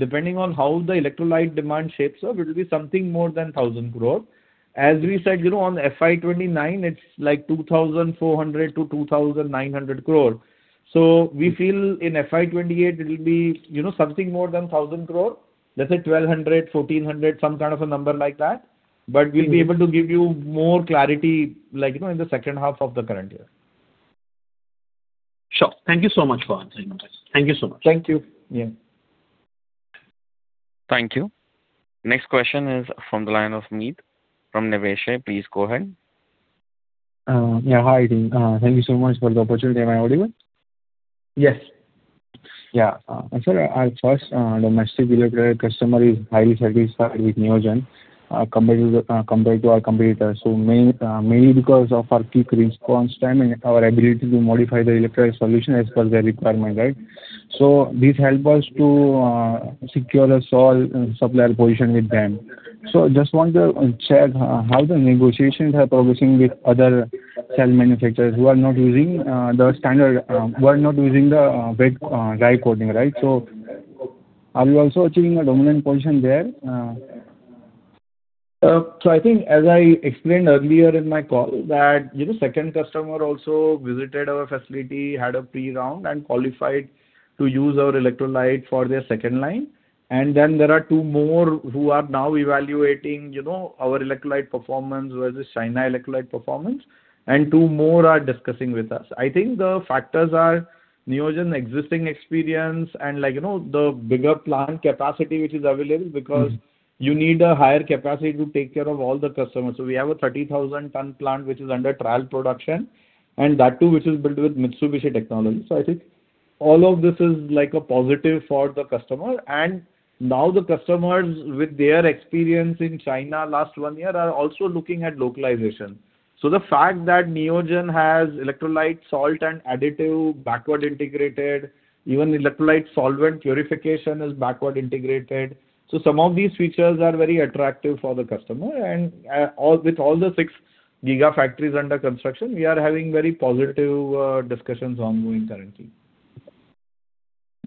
Depending on how the electrolyte demand shapes up, it'll be something more than 1,000 crore. As we said, you know, on FY 2029, it's like 2,400 crore-2,900 crore. We feel in FY 2028 it'll be, you know, something more than 1,000 crore. Let's say 1,200, 1,400, some kind of a number like that. We'll be able to give you more clarity, like, you know, in the second half of the current year. Sure. Thank you so much for answering this. Thank you so much. Thank you. Yeah. Thank you. Next question is from the line of Meet from Niveshaay. Please go ahead. Yeah. Hi, team. Thank you so much for the opportunity. Am I audible? Yes. Yeah. Sir, our first domestic electrolyte customer is highly satisfied with Neogen compared to our competitor. Mainly because of our quick response time and our ability to modify the electrolyte solution as per their requirement, right? This help us to secure a sole supplier position with them. Just want to check how the negotiations are progressing with other cell manufacturers who are not using the wet dry coating, right? Are we also achieving a dominant position there? I think as I explained earlier in my call that, you know, second customer also visited our facility, had a pre-round and qualified to use our electrolyte for their second line. Then there are two more who are now evaluating, you know, our electrolyte performance versus China electrolyte performance, and two more are discussing with us. I think the factors are Neogen existing experience and like, you know, the bigger plant capacity which is available. Because you need a higher capacity to take care of all the customers. We have a 30,000 ton plant which is under trial production, and that too which is built with Mitsubishi technology. I think all of this is like a positive for the customer. Now the customers with their experience in China last one year are also looking at localization. The fact that Neogen has electrolyte salt and additive backward integrated, even electrolyte solvent purification is backward integrated. With all the six gigafactories under construction, we are having very positive discussions ongoing currently.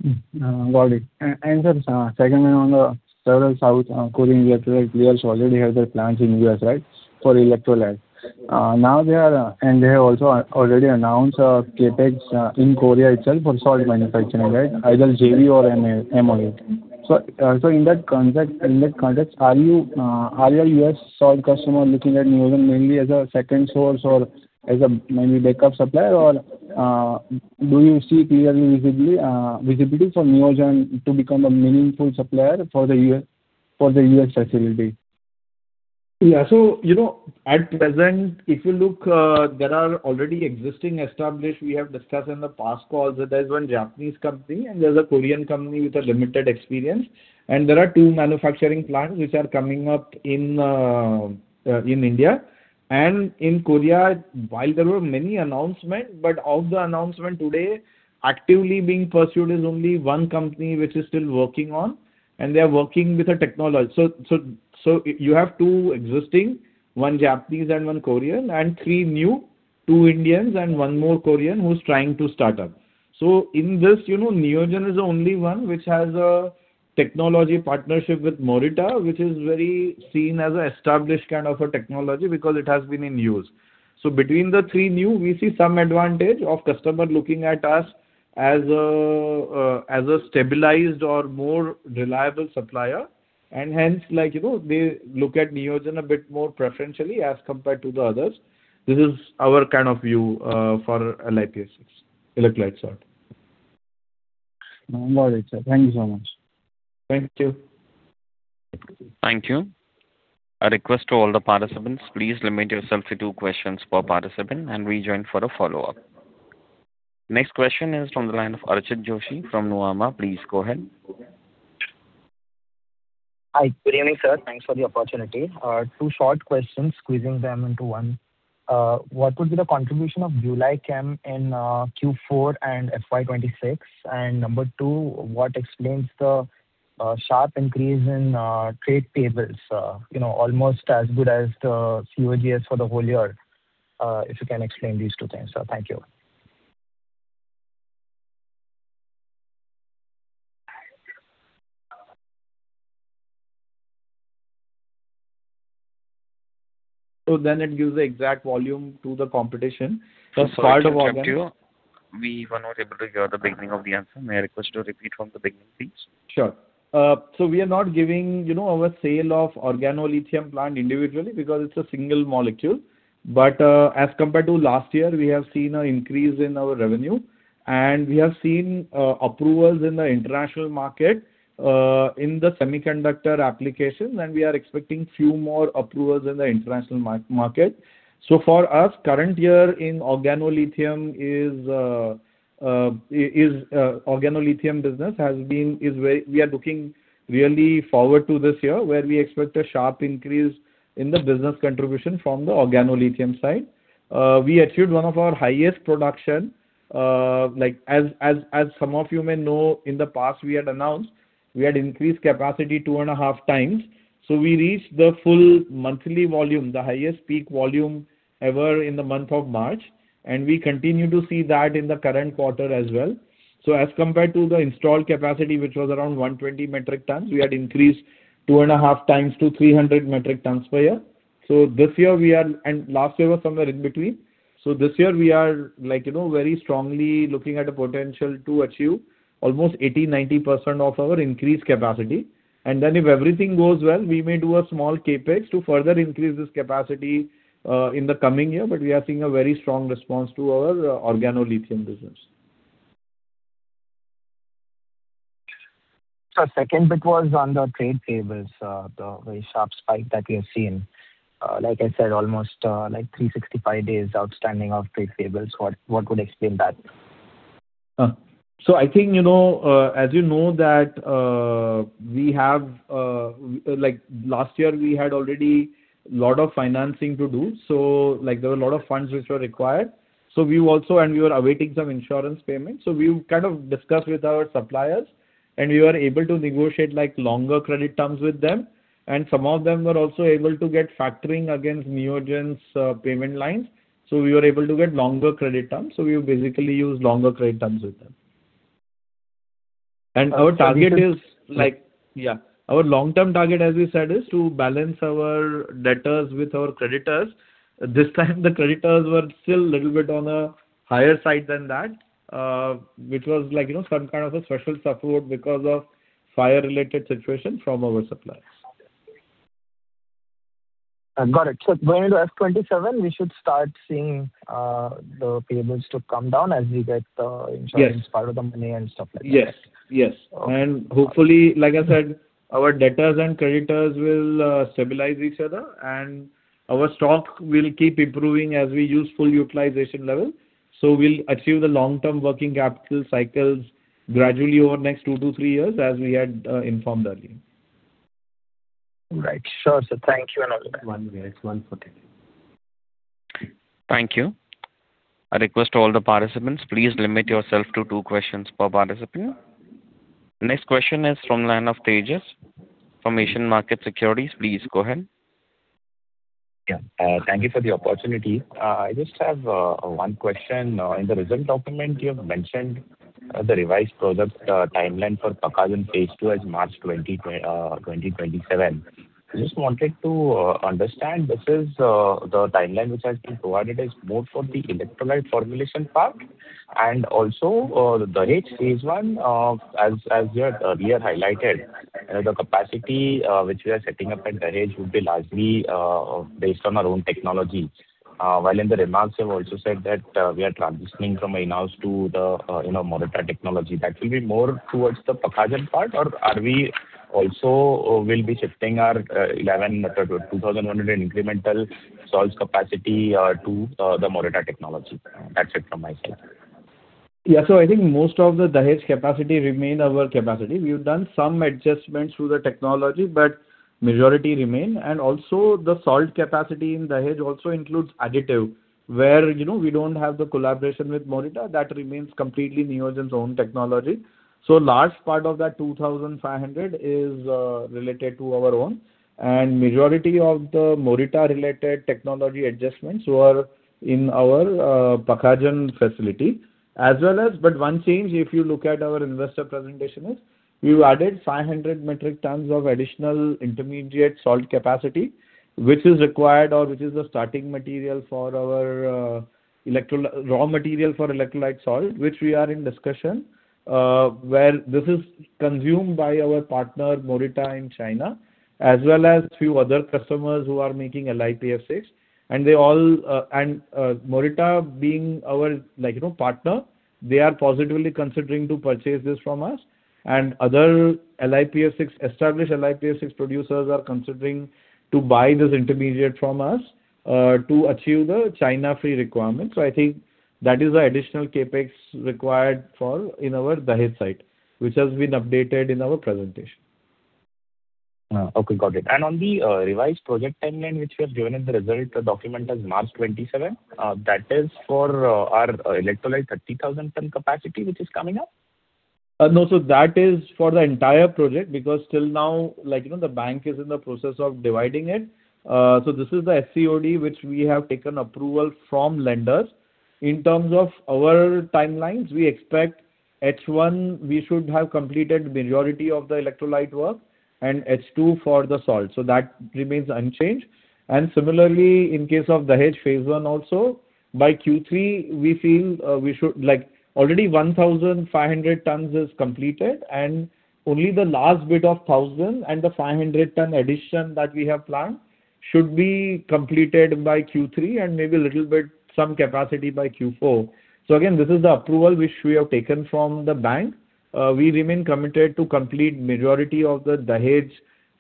Mm-hmm. Got it. Sir, secondly, on the several South Korean electrolyte players already have their plants in the U.S., right? For electrolytes. Now they are, and they have also already announced CapEx in Korea itself for salt manufacturing, right? Either JV or MOU. In that context, are you, are your U.S. salt customer looking at Neogen mainly as a second source or as a mainly backup supplier? Do you see clearly visibly visibility for Neogen to become a meaningful supplier for the U.S., for the U.S. facility? Yeah. You know, at present, if you look, there are already existing established. We have discussed in the past calls that there's one Japanese company and there's a Korean company with a limited experience. There are two manufacturing plants which are coming up in India. In Korea, while there were many announcement, but of the announcement today, actively being pursued is only one company which is still working on, and they are working with a technology. You have two existing, one Japanese and one Korean, and three new, two Indians and one more Korean who's trying to start up. In this, you know, Neogen is the only one which has a technology partnership with Morita, which is very seen as a established kind of a technology because it has been in use. Between the three new, we see some advantage of customer looking at us as a stabilized or more reliable supplier. Hence, like, you know, they look at Neogen a bit more preferentially as compared to the others. This is our kind of view for LiPF6, electrolyte salt. Got it, sir. Thank you so much. Thank you. Thank you. A request to all the participants. Please limit yourself to two questions per participant and rejoin for a follow-up. Next question is from the line of Archit Joshi from Nuvama. Please go ahead. Hi. Good evening, sir. Thanks for the opportunity. Two short questions, squeezing them into one. What would be the contribution of BuLi Chem in Q4 and FY 2026? Number two, what explains the sharp increase in trade payables, you know, almost as good as the COGS for the whole year? If you can explain these two things, sir. Thank you. It gives the exact volume to the competition. Sorry to interrupt you. We were not able to hear the beginning of the answer. May I request you to repeat from the beginning, please? Sure. We are not giving, you know, our sale of organolithium plant individually because it's a single molecule. As compared to last year, we have seen a increase in our revenue. We have seen approvals in the international market, in the semiconductor applications, and we are expecting few more approvals in the international market. For us, current year in organolithium, we are looking really forward to this year, where we expect a sharp increase in the business contribution from the organolithium side. We achieved one of our highest production. Like as some of you may know, in the past we had announced we had increased capacity 2.5x. We reached the full monthly volume, the highest peak volume ever in the month of March, and we continue to see that in the current quarter as well. As compared to the installed capacity, which was around 120 metric tons, we had increased 2.5x to 300 metric tons per year. Last year was somewhere in between. This year we are like, you know, very strongly looking at a potential to achieve almost 80%, 90% of our increased capacity. Then if everything goes well, we may do a small CapEx to further increase this capacity in the coming year. We are seeing a very strong response to our organolithium business. Sir, second bit was on the trade payables, the very sharp spike that we have seen. Like I said, almost, like 365 days outstanding of trade payables. What, what would explain that? I think, you know, as you know that, we have like last year we had already lot of financing to do. There were a lot of funds which were required. We also and we were awaiting some insurance payments. We kind of discussed with our suppliers, and we were able to negotiate like longer credit terms with them. Some of them were also able to get factoring against Neogen's payment lines. We were able to get longer credit terms. We basically use longer credit terms with them. Our target is like Yeah. Our long-term target, as we said, is to balance our debtors with our creditors. This time the creditors were still little bit on a higher side than that, which was like, you know, some kind of a special support because of fire-related situation from our suppliers. I've got it. Going into FY 2027, we should start seeing the payables to come down. Yes. part of the money and stuff like that. Yes, yes. Okay. Hopefully, like I said, our debtors and creditors will stabilize each other and our stock will keep improving as we use full utilization level. We'll achieve the long-term working capital cycles gradually over next two to three years as we had informed earlier. Right. Sure, sir. Thank you and all the best. Thank you. A request to all the participants, please limit yourself to two questions per participant. Next question is from the line of Tejas from Asian Markets Securities. Please go ahead. Thank you for the opportunity. I just have one question. In the result document, you have mentioned the revised project timeline for Pakhajan Phase 2 as March 2027. I just wanted to understand, this is the timeline which has been provided is more for the electrolyte formulation part and also Dahej Phase 1, as you had earlier highlighted, the capacity which we are setting up at Dahej would be largely based on our own technology. While in the remarks, you have also said that we are transitioning from in-house to the, you know, Morita technology. That will be more towards the Pakhajan part or are we also will be shifting our 11 metric, 2,000 incremental salts capacity to the Morita technology? That's it from my side. I think most of the Dahej capacity remain our capacity. We've done some adjustments to the technology, but majority remain. Also the salt capacity in Dahej also includes additive where, you know, we don't have the collaboration with Morita. That remains completely Neogen's own technology. Large part of that 2,500 is related to our own. Majority of the Morita related technology adjustments were in our Pakhajan facility as well as. One change, if you look at our investor presentation, is we've added 500 metric tons of additional intermediate salt capacity, which is required or which is the starting material for our raw material for electrolyte salt, which we are in discussion, where this is consumed by our partner, Morita, in China, as well as few other customers who are making LiPF6. They all, Morita being our, like, you know, partner, they are positively considering to purchase this from us. Other LiPF6, established LiPF6 producers are considering to buy this intermediate from us to achieve the China-free requirement. I think that is the additional CapEx required for in our Dahej site, which has been updated in our presentation. Okay. Got it. On the revised project timeline, which you have given in the result document as March 2027, that is for our electrolyte 30,000 ton capacity which is coming up? No. That is for the entire project because till now, like, you know, the bank is in the process of dividing it. This is the SCOD which we have taken approval from lenders. In terms of our timelines, we expect H1, we should have completed majority of the electrolyte work and H2 for the salt. That remains unchanged. Similarly, in case of Dahej Phase 1 also, by Q3 we feel we should. Already 1,500 tons is completed, and only the last bit of 1,000 and the 500 ton addition that we have planned should be completed by Q3 and maybe a little bit some capacity by Q4. Again, this is the approval which we have taken from the bank. We remain committed to complete majority of the Dahej,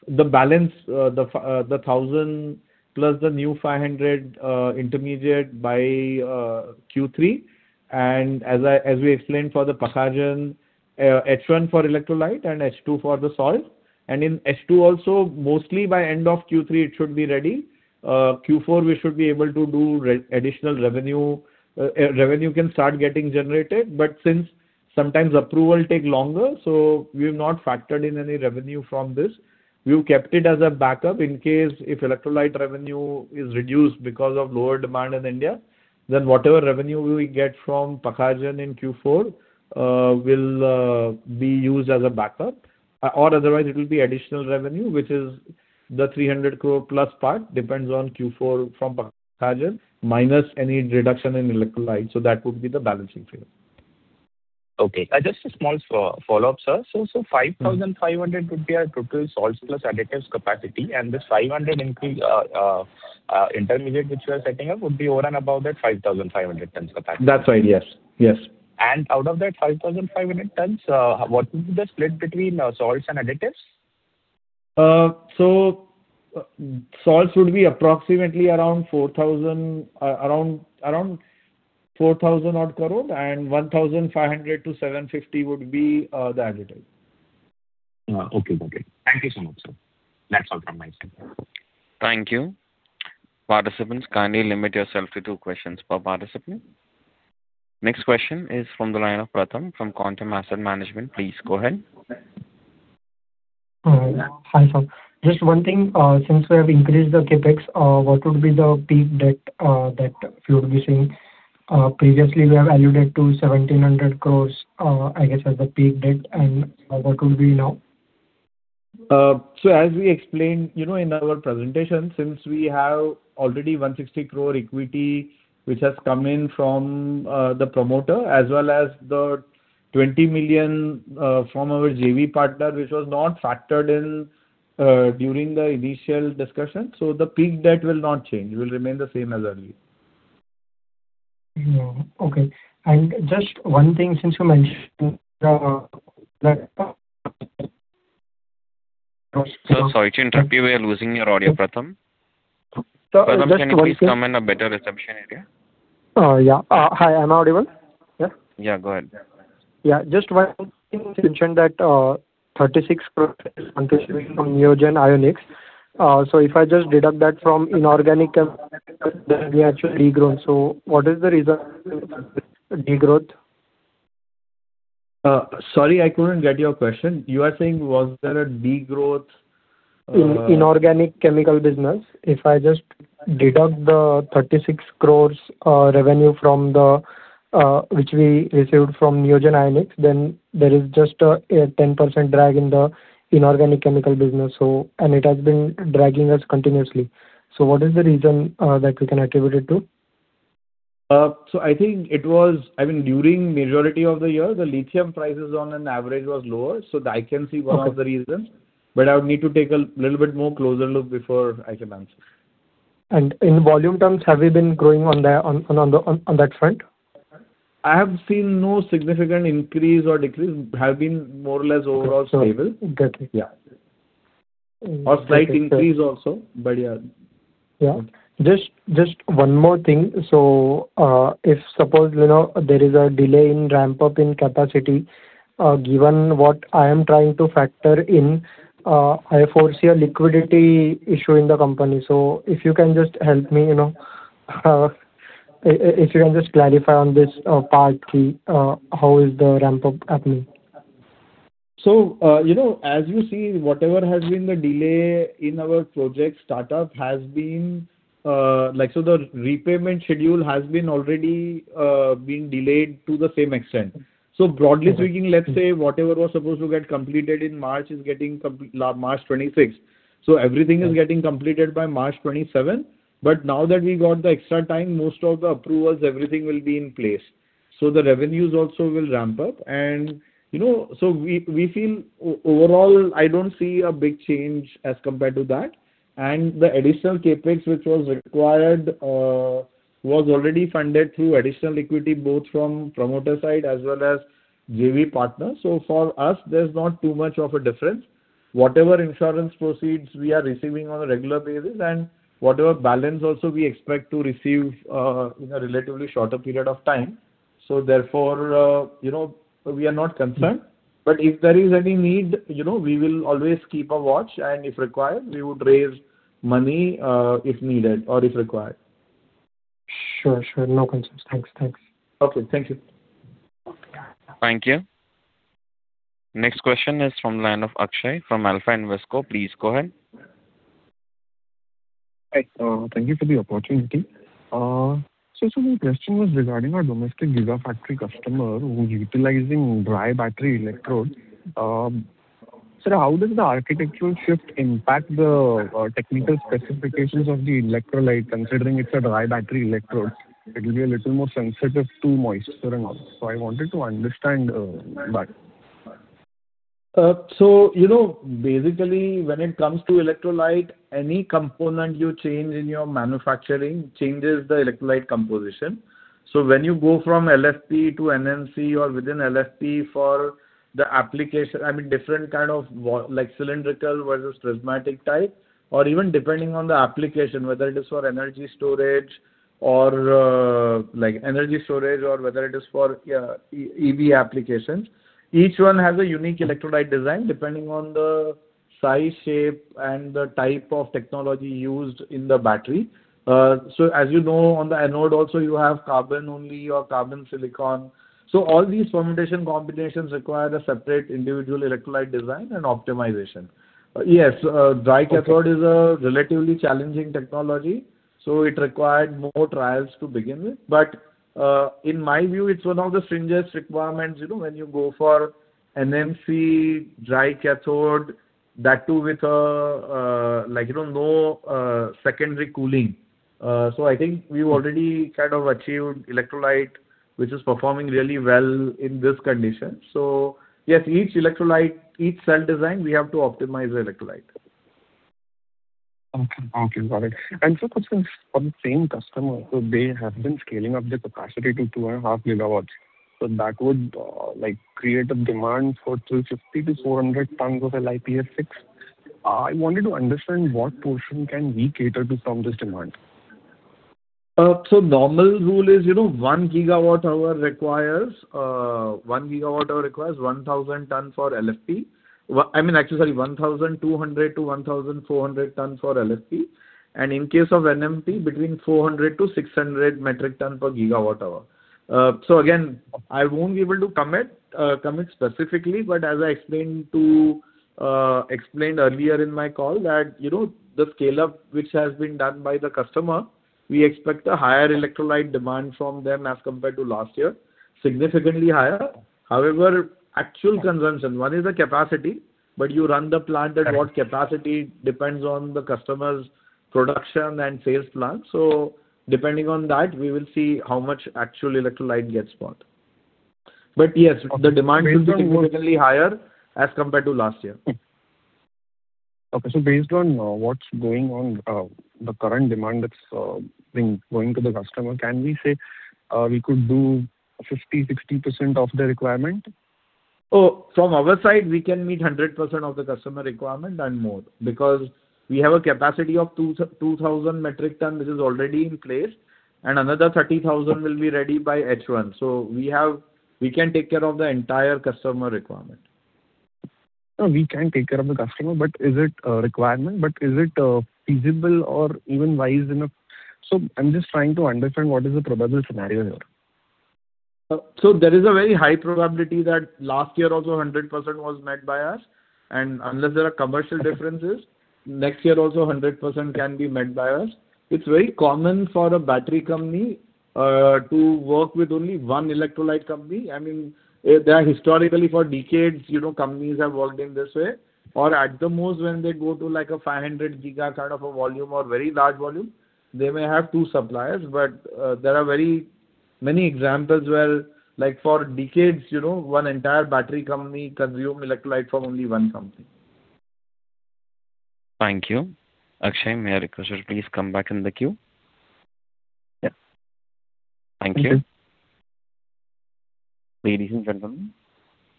the balance, 1,000 plus the new 500 intermediate by Q3. As I, as we explained for the Pakhajan, H1 for electrolyte and H2 for the salt. In H2 also, mostly by end of Q3 it should be ready. Q4 we should be able to do additional revenue. Revenue can start getting generated, but since sometimes approval take longer, so we've not factored in any revenue from this. We've kept it as a backup in case if electrolyte revenue is reduced because of lower demand in India, then whatever revenue we will get from Pakhajan in Q4, will be used as a backup, or otherwise it will be additional revenue, which is the 300 crore plus part, depends on Q4 from Pakhajan minus any reduction in electrolyte. That would be the balancing fee. Okay. Just a small follow-up, sir. 5,500 would be our total salts plus additives capacity, and this 500 increase intermediate which you are setting up would be over and above that 5,500 tons capacity. That's right. Yes. Yes. Out of that 5,500 tons, what would be the split between salts and additives? Salts would be approximately around 4,000, around 4,000 odd crore and 1,500 to 750 would be the additive. Okay. Got it. Thank you so much, sir. That is all from my side. Thank you. Participants, kindly limit yourself to two questions per participant. Next question is from the line of Pratham from Quantum Asset Management. Please go ahead. Hi, sir. Just one thing. Since we have increased the CapEx, what would be the peak debt that you would be seeing? Previously we have alluded to 1,700 crores, I guess, as the peak debt, and what could be now? As we explained, you know, in our presentation, since we have already 160 crore equity which has come in from the promoter as well as the $20 million from our JV partner, which was not factored in during the initial discussion. The peak debt will not change. It will remain the same as earlier. Yeah. Okay. Just one thing, since you mentioned the. Sir, sorry to interrupt you. We are losing your audio, Pratham. Sir, just one thing. Pratham, can you please come in a better reception area? Hi, am I audible? Yeah. Yeah, go ahead. Yeah. Just one thing you mentioned that, 36 crores from Neogen Ionics. If I just deduct that from inorganic and then we actually degrown. What is the reason for that degrowth? Sorry, I couldn't get your question. You are saying was there a degrowth? In organic chemical business, if I just deduct the 36 crores revenue from which we received from Neogen Ionics, then there is just a 10% drag in the inorganic chemical business. It has been dragging us continuously. What is the reason that we can attribute it to? I think it was during majority of the year, the lithium prices on an average was lower, so that I can see one of the reasons. I would need to take a little bit more closer look before I can answer. In volume terms, have you been growing on that front? I have seen no significant increase or decrease, have been more or less overall stable. Got it. Yeah. Mm. Okay. Slight increase also, but yeah. Just one more thing. If suppose, you know, there is a delay in ramp-up in capacity, given what I am trying to factor in, I foresee a liquidity issue in the company. If you can just help me, you know, if you can just clarify on this part ki, how is the ramp-up happening? You know, as you see, whatever has been the delay in our project startup has been the repayment schedule has been already being delayed to the same extent. Broadly speaking, let's say whatever was supposed to get completed in March is getting comp March 26th. Everything is getting completed by March 27th. Now that we got the extra time, most of the approvals, everything will be in place. The revenues also will ramp up and, you know, we feel overall, I don't see a big change as compared to that. The additional CapEx which was required was already funded through additional equity, both from promoter side as well as JV partners. For us, there's not too much of a difference. Whatever insurance proceeds we are receiving on a regular basis and whatever balance also we expect to receive, in a relatively shorter period of time. Therefore, you know, we are not concerned. If there is any need, you know, we will always keep a watch, and if required, we would raise money, if needed or if required. Sure, sure. No concerns. Thanks, thanks. Okay, thank you. Okay. Thank you. Next question is from line of Akshay from Alpha Invesco. Please go ahead. Hi. Thank you for the opportunity. So my question was regarding our domestic gigafactory customer who's utilizing dry battery electrodes. Sir, how does the architectural shift impact the technical specifications of the electrolyte considering it's a dry battery electrode? It will be a little more sensitive to moisture and all. I wanted to understand that. You know, basically when it comes to electrolyte, any component you change in your manufacturing changes the electrolyte composition. When you go from LFP to NMC or within LFP for the application, I mean, different kind of like cylindrical versus prismatic type or even depending on the application, whether it is for energy storage or like energy storage or whether it is for EV applications. Each one has a unique electrolyte design depending on the size, shape, and the type of technology used in the battery. As you know, on the anode also you have carbon only or carbon silicon. All these permutation combinations require a separate individual electrolyte design and optimization. Yes, dry cathode is a relatively challenging technology, it required more trials to begin with. In my view, it's one of the stringent requirements, you know, when you go for NMC dry cathode, that too with like, you know, no secondary cooling. I think we've already kind of achieved electrolyte which is performing really well in this condition. Yes, each electrolyte, each cell design, we have to optimize the electrolyte. Okay. Thank you. Got it. Sir, quickly for the same customer, they have been scaling up their capacity to 2.5 GW, that would, like, create a demand for 350-400 tons of LiPF6. I wanted to understand what portion can we cater to from this demand. Normal rule is, you know, 1 GWh requires 1,000 tons for LFP. I mean, actually, sorry, 1,200-1,400 tons for LFP. In case of NMC, between 400-600 metric tons per GWh. Again, I won't be able to commit specifically, but as I explained earlier in my call that, you know, the scale-up which has been done by the customer, we expect a higher electrolyte demand from them as compared to last year, significantly higher. However, actual consumption, one is the capacity, but you run the plant at what capacity depends on the customer's production and sales plan. Depending on that, we will see how much actual electrolyte gets bought. Yes, the demand will be significantly higher as compared to last year. Okay. Based on, what's going on, the current demand that's, been going to the customer, can we say, we could do 50%, 60% of the requirement? Oh, from our side, we can meet 100% of the customer requirement and more because we have a capacity of 2,000 metric ton which is already in place and another 30,000 will be ready by H1. We can take care of the entire customer requirement. No, we can take care of the customer, but is it a requirement? Is it feasible or even wise enough? I'm just trying to understand what is the probable scenario here. There is a very high probability that last year also 100% was met by us and unless there are commercial differences, next year also 100% can be met by us. It's very common for a battery company to work with only one electrolyte company. I mean, there are historically for decades, you know, companies have worked in this way or at the most when they go to like a 500 giga kind of a volume or very large volume, they may have two suppliers. There are very many examples where like for decades, you know, one entire battery company consume electrolyte from only one company. Thank you. Akshay, may I request you please come back in the queue? Yeah. Thank you. Thank you. Ladies and gentlemen,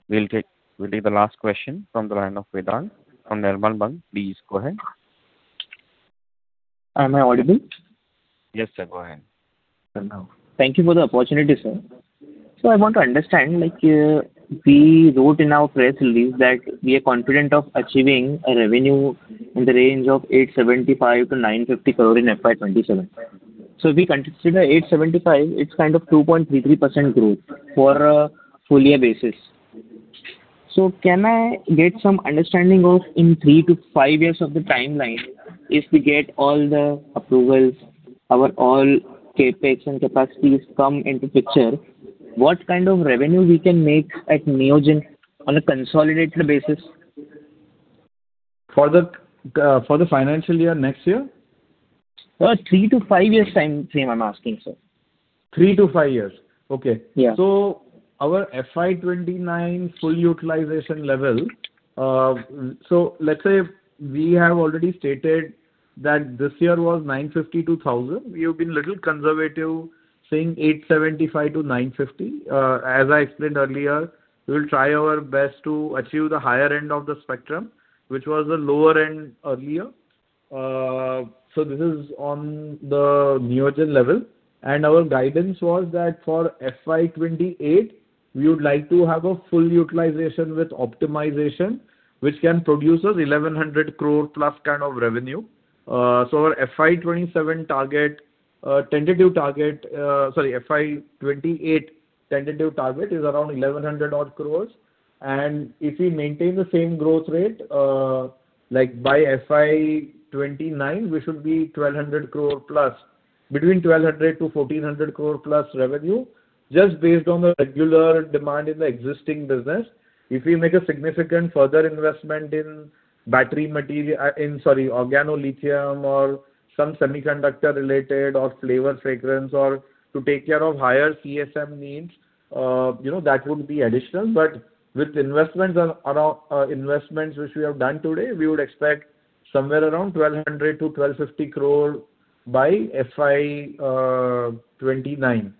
we'll take the last question from the line of Vedant from Nirmal Bang. Please go ahead. Am I audible? Yes, sir. Go ahead. Thank you for the opportunity, sir. I want to understand like, we wrote in our press release that we are confident of achieving a revenue in the range of 875 crore-950 crore in FY 2027. If we consider 875 crore, it's kind of 2.33% growth for a full year basis. Can I get some understanding of in three to five years of the timeline, if we get all the approvals, our all CapEx and capacities come into picture, what kind of revenue we can make at Neogen Chemicals on a consolidated basis? For the financial year next year? Three to five years timeframe I'm asking, sir. Three to five years. Okay. Yeah. Our FY 2029 full utilization level, let's say if we have already stated that this year was 950-1,000, we have been little conservative saying 875-950. As I explained earlier, we'll try our best to achieve the higher end of the spectrum, which was the lower end earlier. This is on the Neogen level. Our guidance was that for FY 2028 we would like to have a full utilization with optimization which can produce us 1,100 crore+ kind of revenue. Our FY 2027 target, tentative target, sorry, FY 2028 tentative target is around 1,100 odd crores. If we maintain the same growth rate, by FY 2029 we should be 1,200 crore plus, between 1,200-1,400 crore plus revenue just based on the regular demand in the existing business. If we make a significant further investment in battery material, in, sorry, organolithium or some semiconductor related or flavor fragrance or to take care of higher CSM needs, that would be additional. With investments around, investments which we have done today, we would expect somewhere around 1,200-1,250 crore by FY 2029.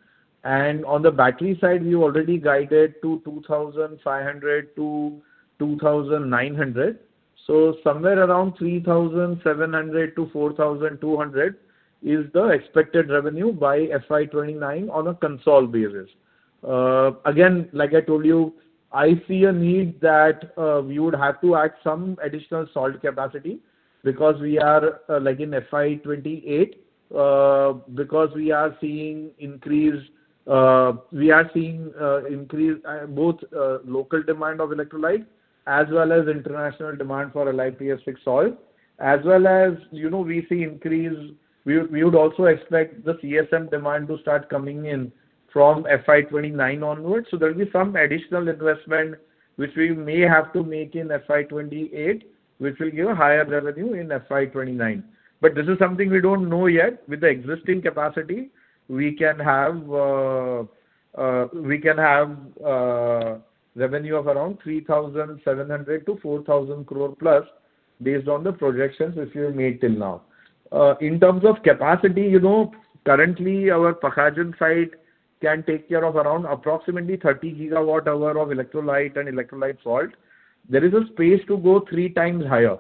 On the battery side we already guided to 2,500-2,900. Somewhere around 3,700-4,200 is the expected revenue by FY 2029 on a consolidated basis. Again, like I told you, I see a need that we would have to add some additional salt capacity because we are, like in FY 2028, because we are seeing increased, both local demand of electrolyte as well as international demand for a LiPF6 salt. As well as, you know, we see increase, we would also expect the CSM demand to start coming in from FY 2029 onwards. This is something we don't know yet. With the existing capacity we can have revenue of around 3,700-4,000 crore plus based on the projections which we have made till now. In terms of capacity, you know, currently our Pakhajan site can take care of around approximately 30 GWh of electrolyte and electrolyte salt. There is a space to go 3x higher,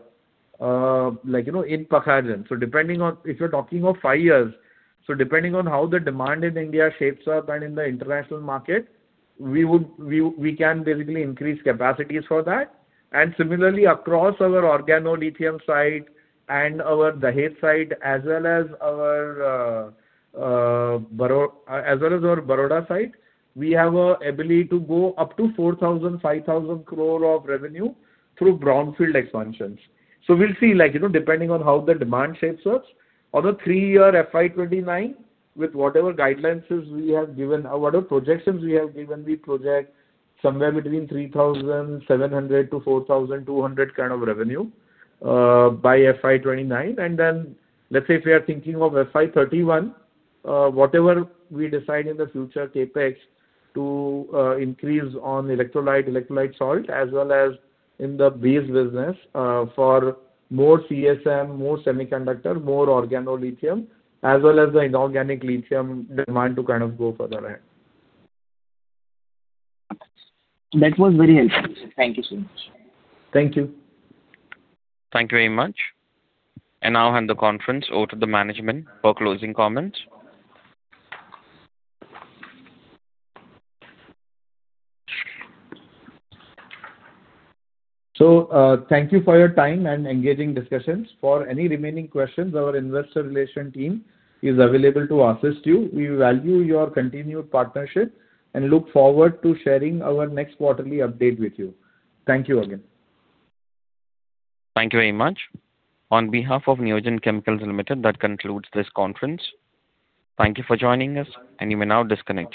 like, you know, in Pakhajan. Depending on if you're talking of five years, so depending on how the demand in India shapes up and in the international market, we would, we can basically increase capacities for that. Similarly across our organolithium site and our Dahej site as well as our Baroda site, we have an ability to go up to 4,000 crore- 5,000 crore of revenue through brownfield expansions. We'll see, like, you know, depending on how the demand shapes up. On a three-year FY 2029 with whatever guidelines is we have given, or whatever projections we have given, we project somewhere between 3,700-4,200 kind of revenue by FY 2029. Let's say if we are thinking of FY 2031, whatever we decide in the future CapEx to increase on electrolyte salt as well as in the base business, for more CSM, more semiconductor, more organolithium, as well as the inorganic lithium demand to kind of go further ahead. That was very helpful, sir. Thank you so much. Thank you. Thank you very much. Now I hand the conference over to the management for closing comments. Thank you for your time and engaging discussions. For any remaining questions, our Investor Relation team is available to assist you. We value your continued partnership and look forward to sharing our next quarterly update with you. Thank you again. Thank you very much. On behalf of Neogen Chemicals Limited, that concludes this conference. Thank you for joining us, and you may now disconnect.